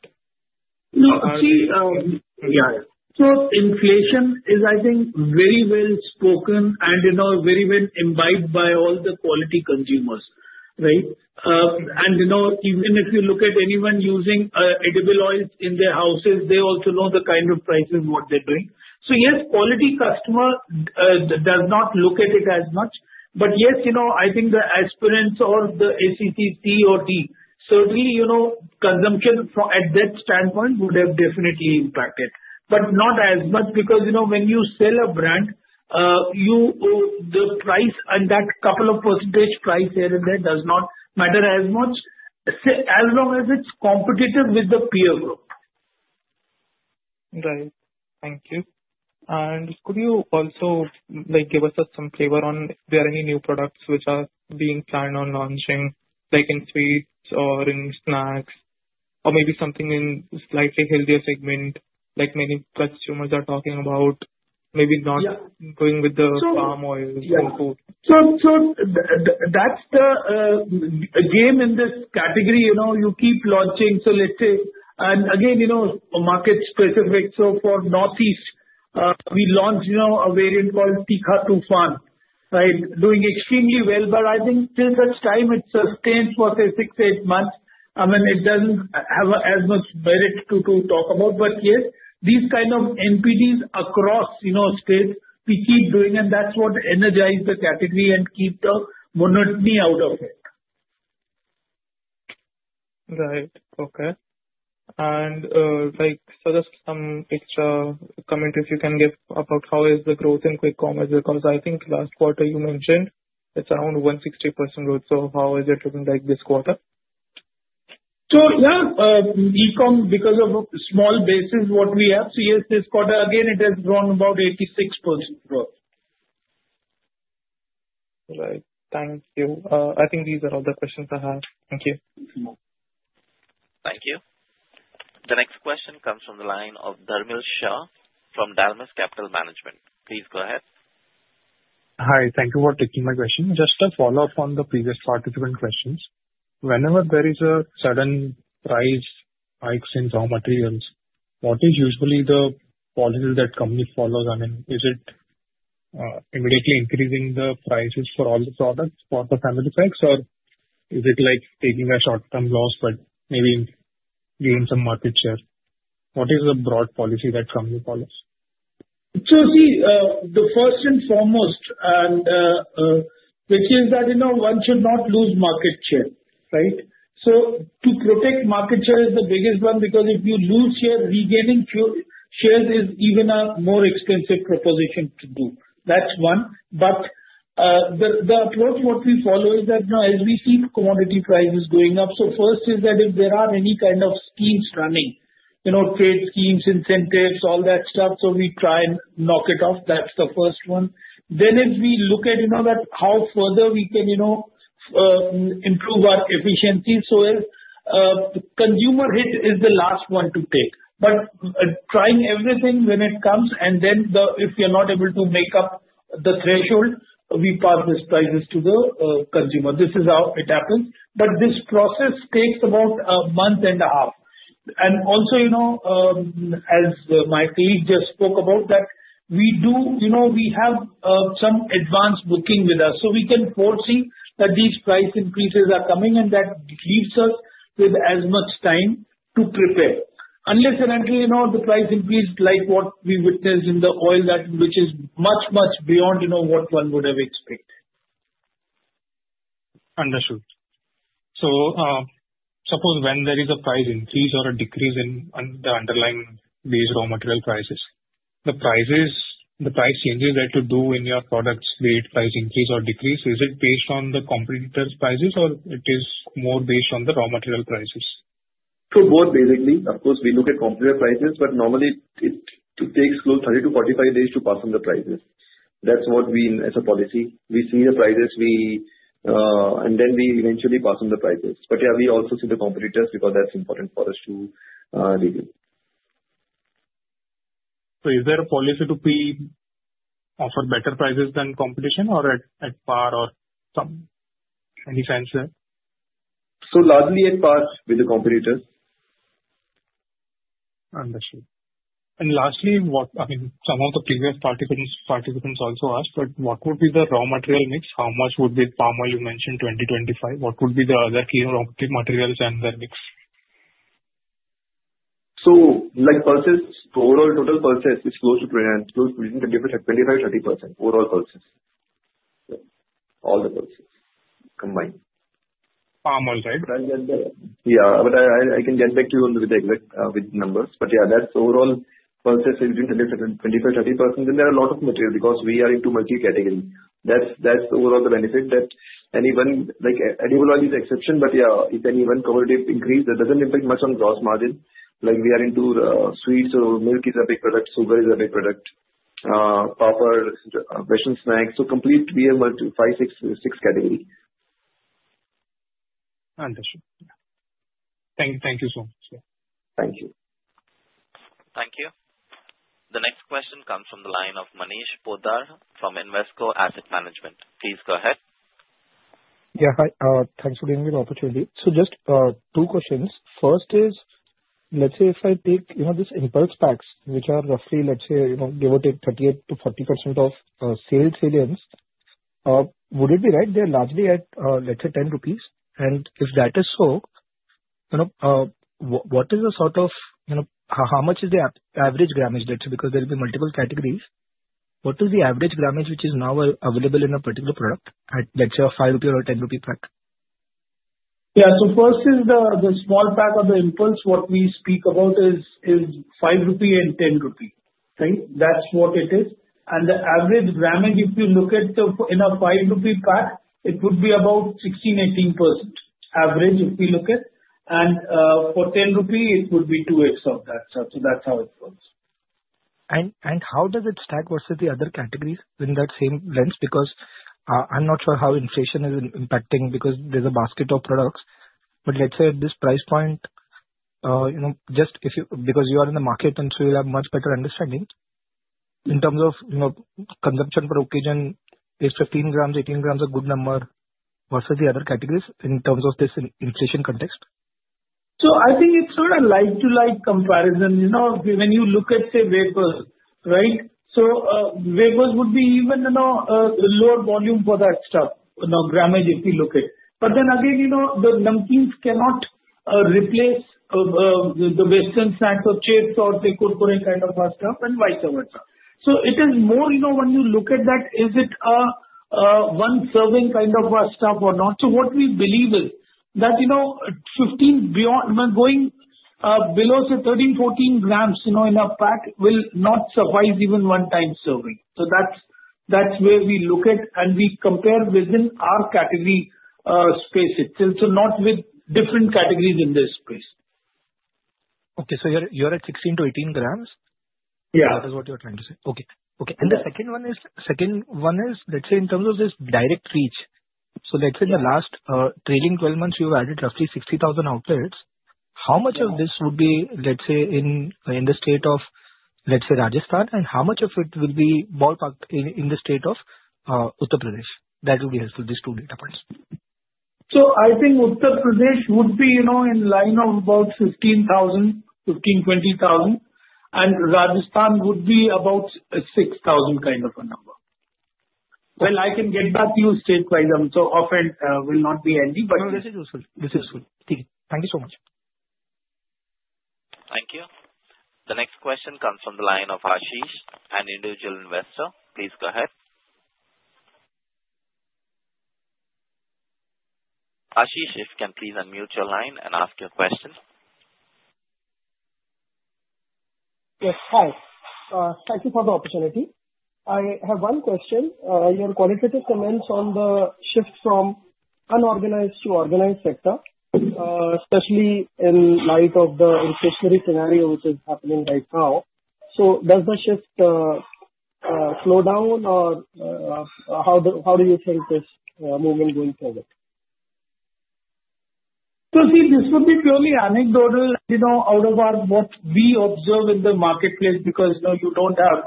No, see, yeah, yeah, so inflation is, I think, very well spoken and very well embodied by all the quality consumers, right, and even if you look at anyone using edible oils in their houses, they also know the kind of prices what they're doing, so yes, quality customer does not look at it as much, but yes, I think the aspirants or the A, B, C, or D, certainly consumption at that standpoint would have definitely impacted, but not as much because when you sell a brand, the price and that couple of percentage price here and there does not matter as much as long as it's competitive with the peer group. Right. Thank you. And could you also give us some flavor on if there are any new products which are being planned on launching, like in sweets or in snacks or maybe something in slightly healthier segment, like many consumers are talking about maybe not going with the palm oils and food? So that's the game in this category. You keep launching. So let's say, and again, market specific. So for Northeast, we launched a variant called Tikha Toofan, right, doing extremely well. But I think till such time, it sustained for, say, 6, 8 months. I mean, it doesn't have as much merit to talk about. But yes, these kind of NPDs across states, we keep doing. And that's what energizes the category and keeps the monotony out of it. Right. Okay. And just some extra comment, if you can give about how is the growth in quick commerce? Because I think last quarter you mentioned it's around 160% growth. So how is it looking like this quarter? So yeah, e-com, because of small base what we have, so yes, this quarter, again, it has grown about 86% growth. Right. Thank you. I think these are all the questions I have. Thank you. Thank you. The next question comes from the line of Dharmil Shah from Dolat Capital Management. Please go ahead. Hi. Thank you for taking my question. Just a follow-up on the previous participant questions. Whenever there is a sudden price hike in raw materials, what is usually the policy that company follows? I mean, is it immediately increasing the prices for all the products for the family packs, or is it like taking a short-term loss but maybe gaining some market share? What is the broad policy that company follows? So see, the first and foremost, which is that one should not lose market share, right? So to protect market share is the biggest one because if you lose share, regaining shares is even a more expensive proposition to do. That's one. But the approach what we follow is that as we see commodity prices going up, so first is that if there are any kind of schemes running, trade schemes, incentives, all that stuff, so we try and knock it off. That's the first one. Then if we look at how further we can improve our efficiency, so consumer hit is the last one to take. But trying everything when it comes, and then if we are not able to make up the threshold, we pass these prices to the consumer. This is how it happens. But this process takes about a month and a half. And also, as my colleague just spoke about, that we have some advance booking with us. So we can foresee that these price increases are coming, and that leaves us with as much time to prepare. Unless eventually the price increased like what we witnessed in the oil, which is much, much beyond what one would have expected. Understood. So suppose when there is a price increase or a decrease in the underlying base raw material prices, the price changes that you do in your products, be it price increase or decrease, is it based on the competitors' prices, or it is more based on the raw material prices? So both, basically. Of course, we look at competitor prices, but normally it takes close to 30days-45 days to pass on the prices. That's what we as a policy. We see the prices, and then we eventually pass on the prices. But yeah, we also see the competitors because that's important for us to review. So is there a policy to be offered better prices than competition or at par or some any sense there? Largely at par with the competitors. Understood. And lastly, I mean, some of the previous participants also asked, but what would be the raw material mix? How much would be palm oil you mentioned 2025? What would be the other key raw materials and their mix? Overall total purchase, it's close to between 25% to 30% overall purchase. All the purchases combined. Palm oil, right? Yeah. But I can get back to you with the exact numbers. But yeah, that's overall purchase is between 25%-30%. And there are a lot of materials because we are into multi-category. That's overall the benefit that anyone edible oil is exception. But yeah, if anyone covered it increase, that doesn't impact much on gross margin. We are into sweets, so milk is a big product. Sugar is a big product. Papad, vegetable snacks. So complete, we have 5, 6, 6 categories. Understood. Thank you so much. Thank you. Thank you. The next question comes from the line of Manish Podar from Invesco Asset Management. Please go ahead. Yeah. Hi. Thanks for giving me the opportunity. So just two questions. First is, let's say if I take these impulse packs, which are roughly, let's say, give or take 38%-40% of sales salience, would it be right? They're largely at, let's say, 10 rupees. And if that is so, what is the sort of how much is the average gramage, let's say, because there will be multiple categories? What is the average gramage which is now available in a particular product, let's say, a 5 rupee or 10 rupee pack? Yeah. So first is the small pack of the impulse. What we speak about is 5 rupee and 10 rupee, right? That's what it is. And the average gramage, if you look at it in a 5 rupee pack, it would be about 16%-18% average if we look at. And for 10 rupee, it would be 2x of that. So that's how it works. And how does it stack versus the other categories in that same lens? Because I'm not sure how inflation is impacting because there's a basket of products. But let's say at this price point, just because you are in the market, and so you'll have much better understanding in terms of consumption per occasion, is 15g, 18g a good number versus the other categories in terms of this inflation context? I think it's sort of like-to-like comparison. When you look at the wafers, right? So wafers would be even lower volume for that stuff, gramage if you look at. But then again, the namkeens cannot replace the western snacks or chips or the Kurkure kind of stuff and vice versa. So it is more when you look at that, is it a one-serving kind of stuff or not? So what we believe is that 15g beyond going below, say, 13g, 14g in a pack will not suffice even one-time serving. So that's where we look at, and we compare within our category space itself, so not with different categories in this space. Okay, so you're at 16g-18g? Yeah. That is what you're trying to say. Okay. Okay. And the second one is, let's say, in terms of this direct reach. So let's say in the last trailing 12 months, you've added roughly 60,000 outlets. How much of this would be, let's say, in the state of, let's say, Rajasthan, and how much of it will be ballparked in the state of Uttar Pradesh? That will be helpful, these 2 data points. So I think Uttar Pradesh would be in line of about 15,000, 15, 20,000. And Rajasthan would be about 6,000 kind of a number. Well, I can get back to you state-wise. So offer will not be ending, but. No, this is useful. This is useful. Thank you so much. Thank you. The next question comes from the line of Ashish, an individual investor. Please go ahead. Ashish, if you can please unmute your line and ask your question. Yes. Hi. Thank you for the opportunity. I have one question. Your qualitative comments on the shift from unorganized to organized sector, especially in light of the inflationary scenario which is happening right now. So does the shift slow down, or how do you think this movement going forward? So see, this would be purely anecdotal out of what we observe in the marketplace because you don't have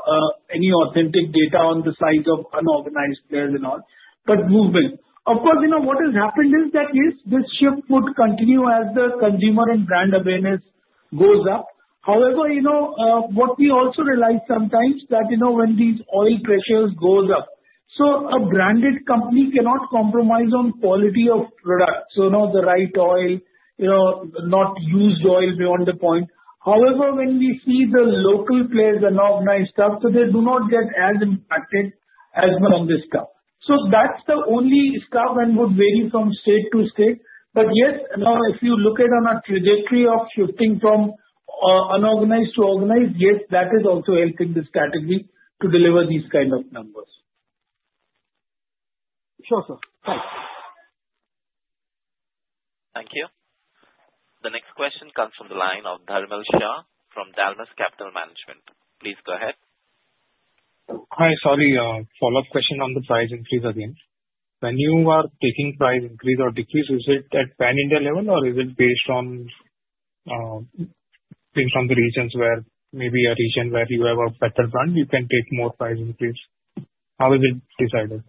any authentic data on the size of unorganized players and all. But movement. Of course, what has happened is that this shift would continue as the consumer and brand awareness goes up. However, what we also realize sometimes that when these oil pressures go up, so a branded company cannot compromise on quality of product. So the right oil, not used oil beyond the point. However, when we see the local players and organized stuff, so they do not get as impacted as on this stuff. So that's the only stuff and would vary from state to state. But yes, if you look at on a trajectory of shifting from unorganized to organized, yes, that is also helping this category to deliver these kind of numbers. Sure, sir. Thanks. Thank you. The next question comes from the line of Dharmil Shah from Dolat Capital Management. Please go ahead. Hi, sorry. Follow-up question on the price increase again. When you are taking price increase or decrease, is it at pan-India level, or is it based on the regions where maybe a region where you have a better brand, you can take more price increase? How is it decided?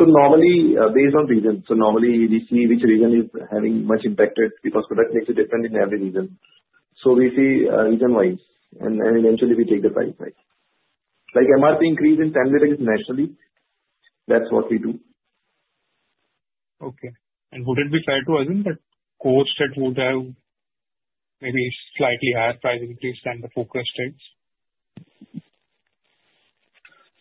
So normally, based on region. So normally, we see which region is having much impacted because product makes a difference in every region. So we see region-wise, and eventually, we take the price side. Like MRP increase in Tamil Nadu nationally. That's what we do. Okay. And would it be fair to assume that courts that would have maybe slightly higher price increase than the focused states?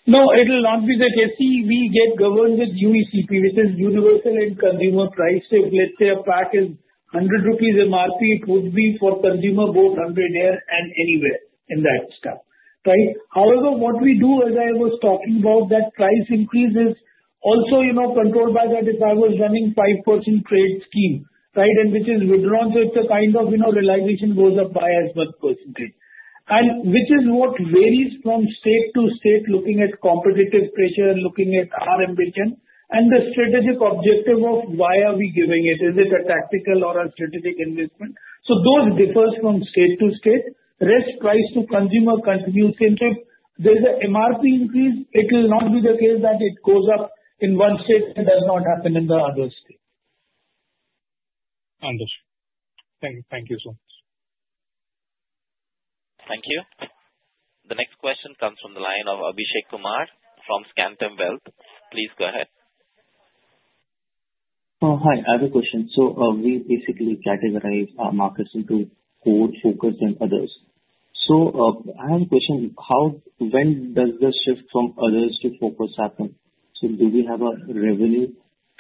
No, it will not be that. See, we get governed with UECP, which is Uniform End Consumer Price. If, let's say, a pack is 100 rupees MRP, it would be for consumer both under there and anywhere in that stuff, right? However, what we do, as I was talking about, that price increase is also controlled by that if I was running 5% trade scheme, right, and which is withdrawn, so it's a kind of realization goes up by as much percentage, and which is what varies from state to state, looking at competitive pressure, looking at our ambition, and the strategic objective of why are we giving it. Is it a tactical or a strategic investment, so those differ from state to state. Rest price to consumer continues the same. There's an MRP increase.It will not be the case that it goes up in one state and does not happen in the other state. Understood. Thank you so much. Thank you. The next question comes from the line of Abhishek Kumar from Centrum Wealth. Please go ahead. Hi. I have a question. So we basically categorize markets into core, focus, and others. So I have a question. When does the shift from others to focus happen? So do we have a revenue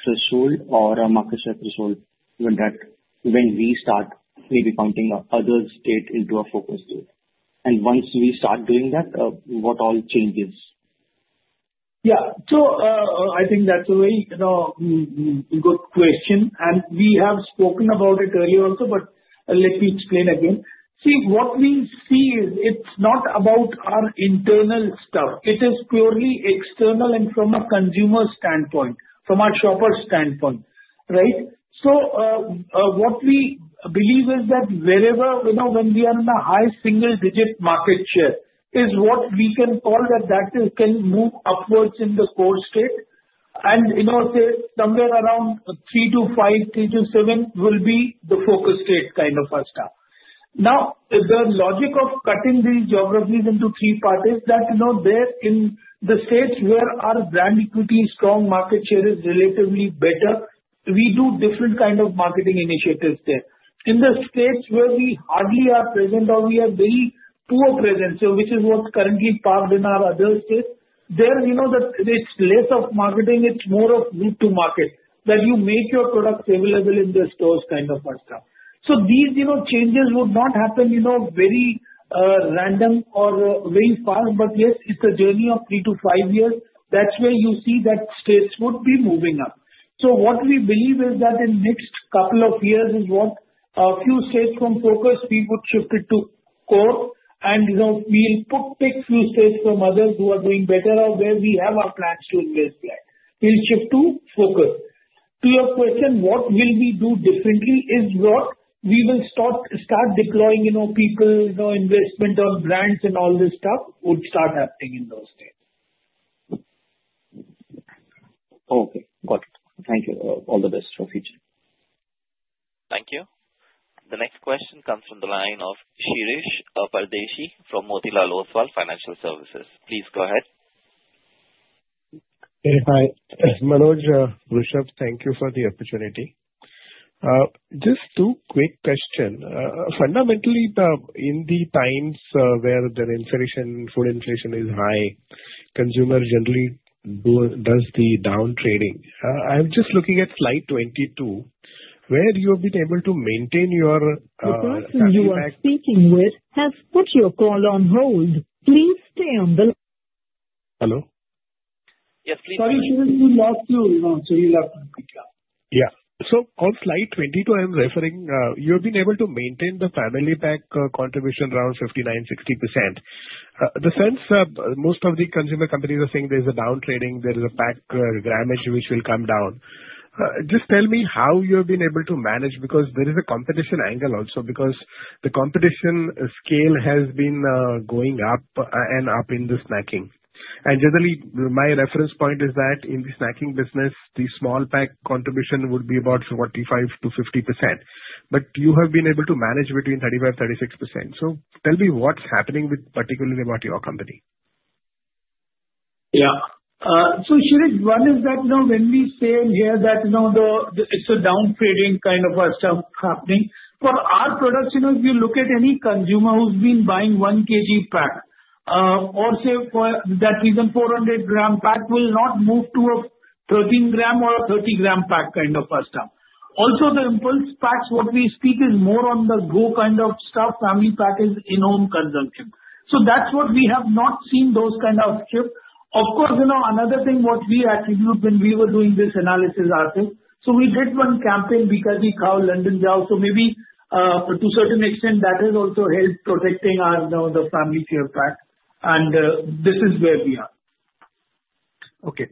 threshold or a market share threshold when we start maybe counting other states into a focus group? And once we start doing that, what all changes? Yeah. So I think that's a very good question. And we have spoken about it earlier also, but let me explain again. See, what we see is it's not about our internal stuff. It is purely external and from a consumer standpoint, from our shopper standpoint, right? So what we believe is that wherever when we are in the high single-digit market share is what we can call that can move upwards in the core state. And say somewhere around 3-5, 3-7, will be the focus state kind of a stuff. Now, the logic of cutting these geographies into three parts is that there, in the states where our brand equity strong market share is relatively better, we do different kind of marketing initiatives there.In the states where we hardly are present or we have very poor presence, which is what's currently parked in our other states, there it's less of marketing. It's more of route to market that you make your products available in the stores kind of a stuff. So these changes would not happen very random or very fast, but yes, it's a journey of 3-5 years. That's where you see that states would be moving up. So what we believe is that in the next couple of years is what a few states from focus, we would shift it to core, and we'll pick a few states from others who are doing better or where we have our plans to invest there. We'll shift to focus. To your question, what will we do differently is what we will start deploying people, investment on brands and all this stuff would start happening in those states. Okay. Got it. Thank you. All the best for the future. Thank you, the next question comes from the line of Shirish Pardeshi from Motilal Oswal Financial Services. Please go ahead. Very high. Manoj, Rishabh, thank you for the opportunity. Just 2 quick questions. Fundamentally, in the times where the food inflation is high, consumers generally do the down trading. I'm just looking at slide 22, where you have been able to maintain your feedback. The person I'm speaking with has put your call on hold. Please stay on the. Hello? Yes, please go ahead. Sorry, she was lost too. So you left the speaker. Yeah. So on slide 22, I'm referring. You have been able to maintain the family pack contribution around 59%-60%. I sense most of the consumer companies are saying there's a down trading, there is a pack gramage which will come down. Just tell me how you have been able to manage because there is a competition angle also because the competition scale has been going up and up in the snacking. And generally, my reference point is that in the snacking business, the small pack contribution would be about 45%-50%. But you have been able to manage between 35%-36%. So tell me what's happening particularly about your company. Yeah. So Shirish, one is that when we say here that it's a down trading kind of a stuff happening. For our products, if you look at any consumer who's been buying one kg pack, or say for that reason, 400g pack will not move to a 13g or a 30g pack kind of a stuff. Also, the impulse packs, what we speak is more on the go kind of stuff, family package in-home consumption. So that's what we have not seen those kind of shift Of course, another thing what we attribute when we were doing this analysis ourselves, so we did one campaign because we Khao London Jao. So maybe to a certain extent, that has also helped protecting the family share pack. And this is where we are. Okay,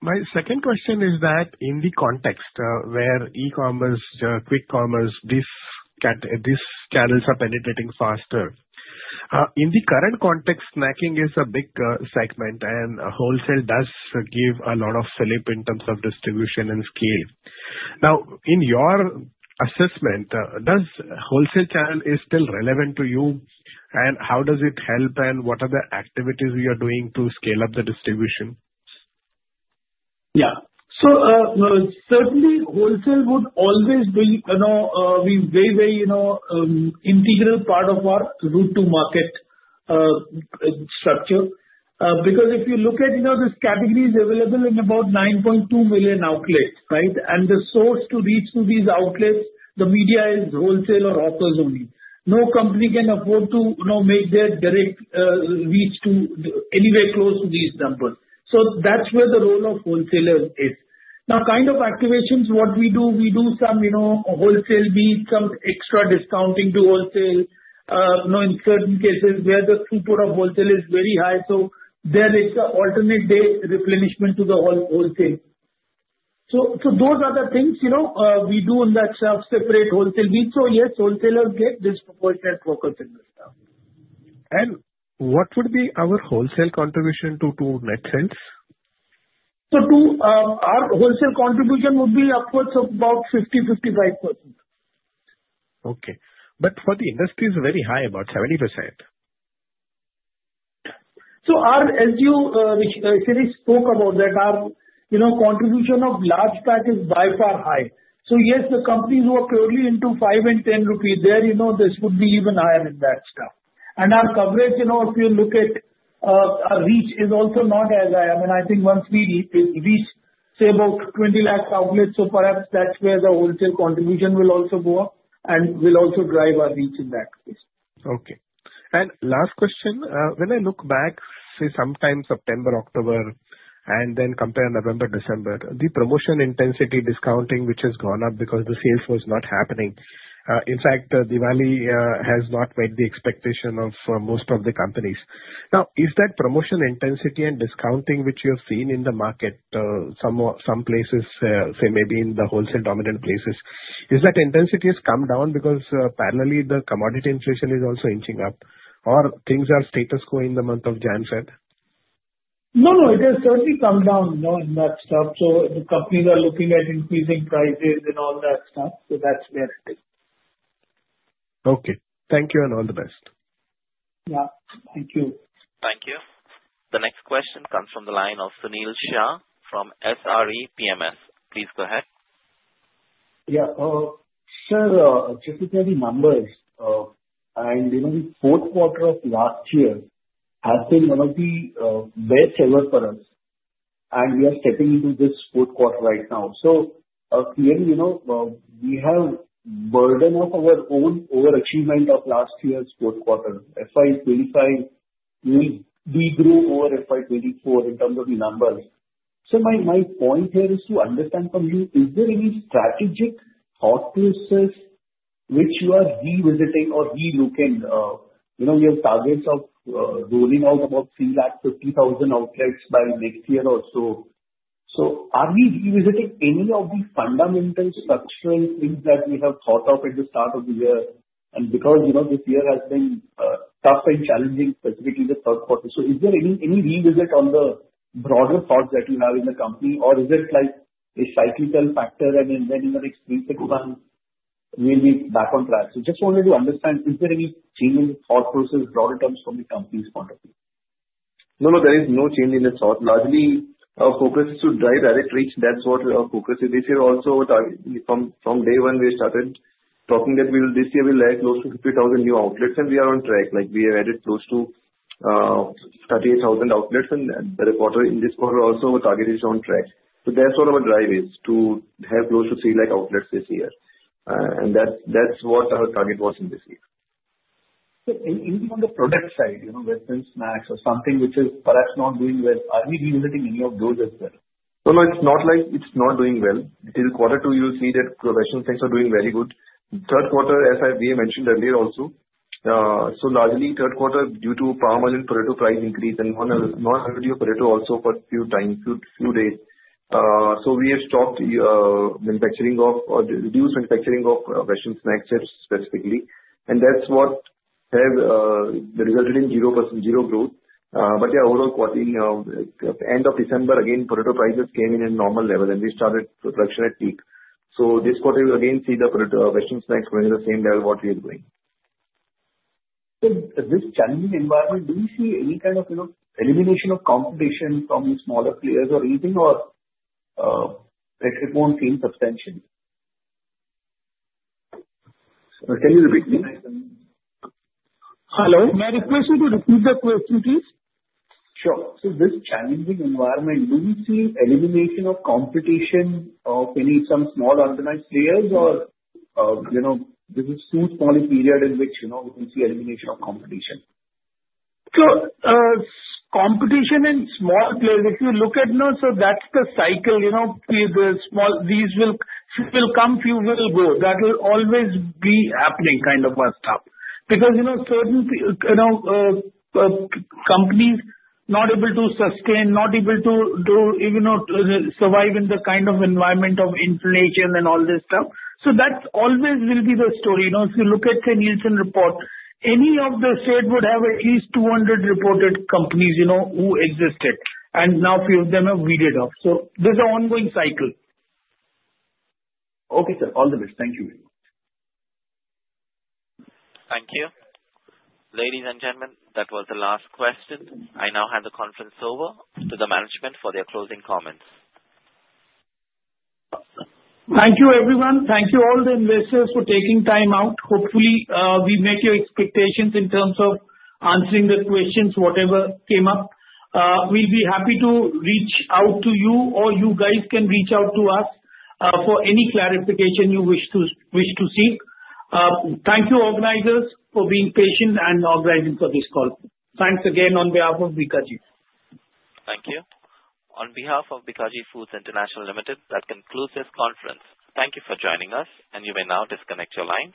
my second question is that in the context where e-commerce, quick commerce, these channels are penetrating faster. In the current context, snacking is a big segment, and wholesale does give a lot of lift in terms of distribution and scale. Now, in your assessment, does wholesale channel is still relevant to you, and how does it help, and what are the activities you are doing to scale up the distribution? Yeah. So certainly, wholesale would always be a very, very integral part of our route to market structure. Because if you look at these categories available in about 9,200,000 outlets, right, and the source to reach to these outlets, the medium is wholesale or off-take only. No company can afford to make their direct reach to anywhere close to these numbers. So that's where the role of wholesalers is. Now, kind of activations, what we do, we do some wholesale beats, some extra discounting to wholesale. In certain cases, where the throughput of wholesale is very high, so there is an alternate day replenishment to the wholesale. So those are the things we do in that self-separate wholesale beats. So yes, wholesalers get disproportionate focus in this stuff. What would be our wholesale contribution to net sales? So our wholesale contribution would be upwards of about 50%-55%. Okay, but for the industry, it's very high, about 70%. As you, Shirish, spoke about that, our contribution of large pack is by far high. Yes, the companies who are purely into 5 and 10 rupees, there this would be even higher in that stuff. Our coverage, if you look at our reach, is also not as high. I mean, I think once we reach, say, about 20 lakh outlets, perhaps that's where the wholesale contribution will also go up and will also drive our reach in that case. Okay, and last question. When I look back, say sometime September, October, and then compare November, December, the promotion intensity discounting, which has gone up because the sales was not happening. In fact, Diwali has not met the expectation of most of the companies. Now, is that promotion intensity and discounting, which you have seen in the market, some places, say maybe in the wholesale dominant places, is that intensity has come down because parallelly, the commodity inflation is also inching up? Or things are status quo in the month of Jan-Feb? No, no. It has certainly come down in that stuff. So the companies are looking at increasing prices and all that stuff. So that's where it is. Okay. Thank you and all the best. Yeah. Thank you. Thank you. The next question comes from the line of Sunil Shah from SRE PMS. Please go ahead. Yeah. Sir, just to share the numbers, and the fourth quarter of last year has been one of the best ever for us. And we are stepping into this fourth quarter right now. So clearly, we have burden of our own overachievement of last year's fourth quarter. FY25, we grew over FY24 in terms of the numbers. So my point here is to understand from you, is there any strategic hot pursuit which you are revisiting or relooking? We have targets of rolling out about 350,000 outlets by next year or so. So are we revisiting any of the fundamental structural things that we have thought of at the start of the year? And because this year has been tough and challenging, specifically the third quarter, so is there any revisit on the broader thoughts that you have in the company, or is it like a cyclical factor, and then in the next three to 6 months, we'll be back on track? So just wanted to understand, is there any change in the thought process, broader terms, from the company's point of view? No, no. There is no change in the thought. Largely, our focus is to drive direct reach. That's what our focus is. This year also, from day one, we started talking that this year we'll lay close to 50,000 new outlets, and we are on track. We have added close to 38,000 outlets, and in this quarter also, our target is on track. So that's what our drive is, to have close to 3 lakh outlets this year. That's what our target was in this year. So even on the product side, Western Snacks or something which is perhaps not doing well, are we revisiting any of those as well? No, no. It's not doing well. Till quarter two, you'll see that traditional sectors are doing very good. Third quarter, as I mentioned earlier also, so largely third quarter due to palm oil and potato price increase and non-availability of potato also for a few days. So we have stopped, reduced manufacturing of Western Snacks specifically. And that's what has resulted in 0% growth. But yeah, overall, end of December, again, potato prices came in at normal level, and we started production at peak. So this quarter, you'll again see the Western Snacks running at the same level what we are doing. So this challenging environment, do we see any kind of elimination of competition from the smaller players or anything, or it won't gain substantially? Can you repeat me? Hello? May I request you to repeat the question, please? Sure. So this challenging environment, do we see elimination of competition from any small unorganized players, or this is too small a period in which we can see elimination of competition? So, competition in small players, if you look at, so that's the cycle. These will come, few will go. That will always be happening kind of a stuff. Because certain companies not able to sustain, not able to even survive in the kind of environment of inflation and all this stuff. So that always will be the story. If you look at the Nielsen report, any of the state would have at least 200 reported companies who existed. And now a few of them have weeded out. So there's an ongoing cycle. Okay, sir. All the best. Thank you. Thank you. Ladies and gentlemen, that was the last question. I now hand the Conference over to the management for their closing comments. Thank you, everyone. Thank you, all the investors, for taking time out. Hopefully, we met your expectations in terms of answering the questions, whatever came up. We'll be happy to reach out to you, or you guys can reach out to us for any clarification you wish to seek. Thank you, organizers, for being patient and organizing for this call. Thanks again on behalf of Bikaji. Thank you. On behalf of Bikaji Foods International Limited, that concludes this Conference. Thank you for joining us, and you may now disconnect your lines.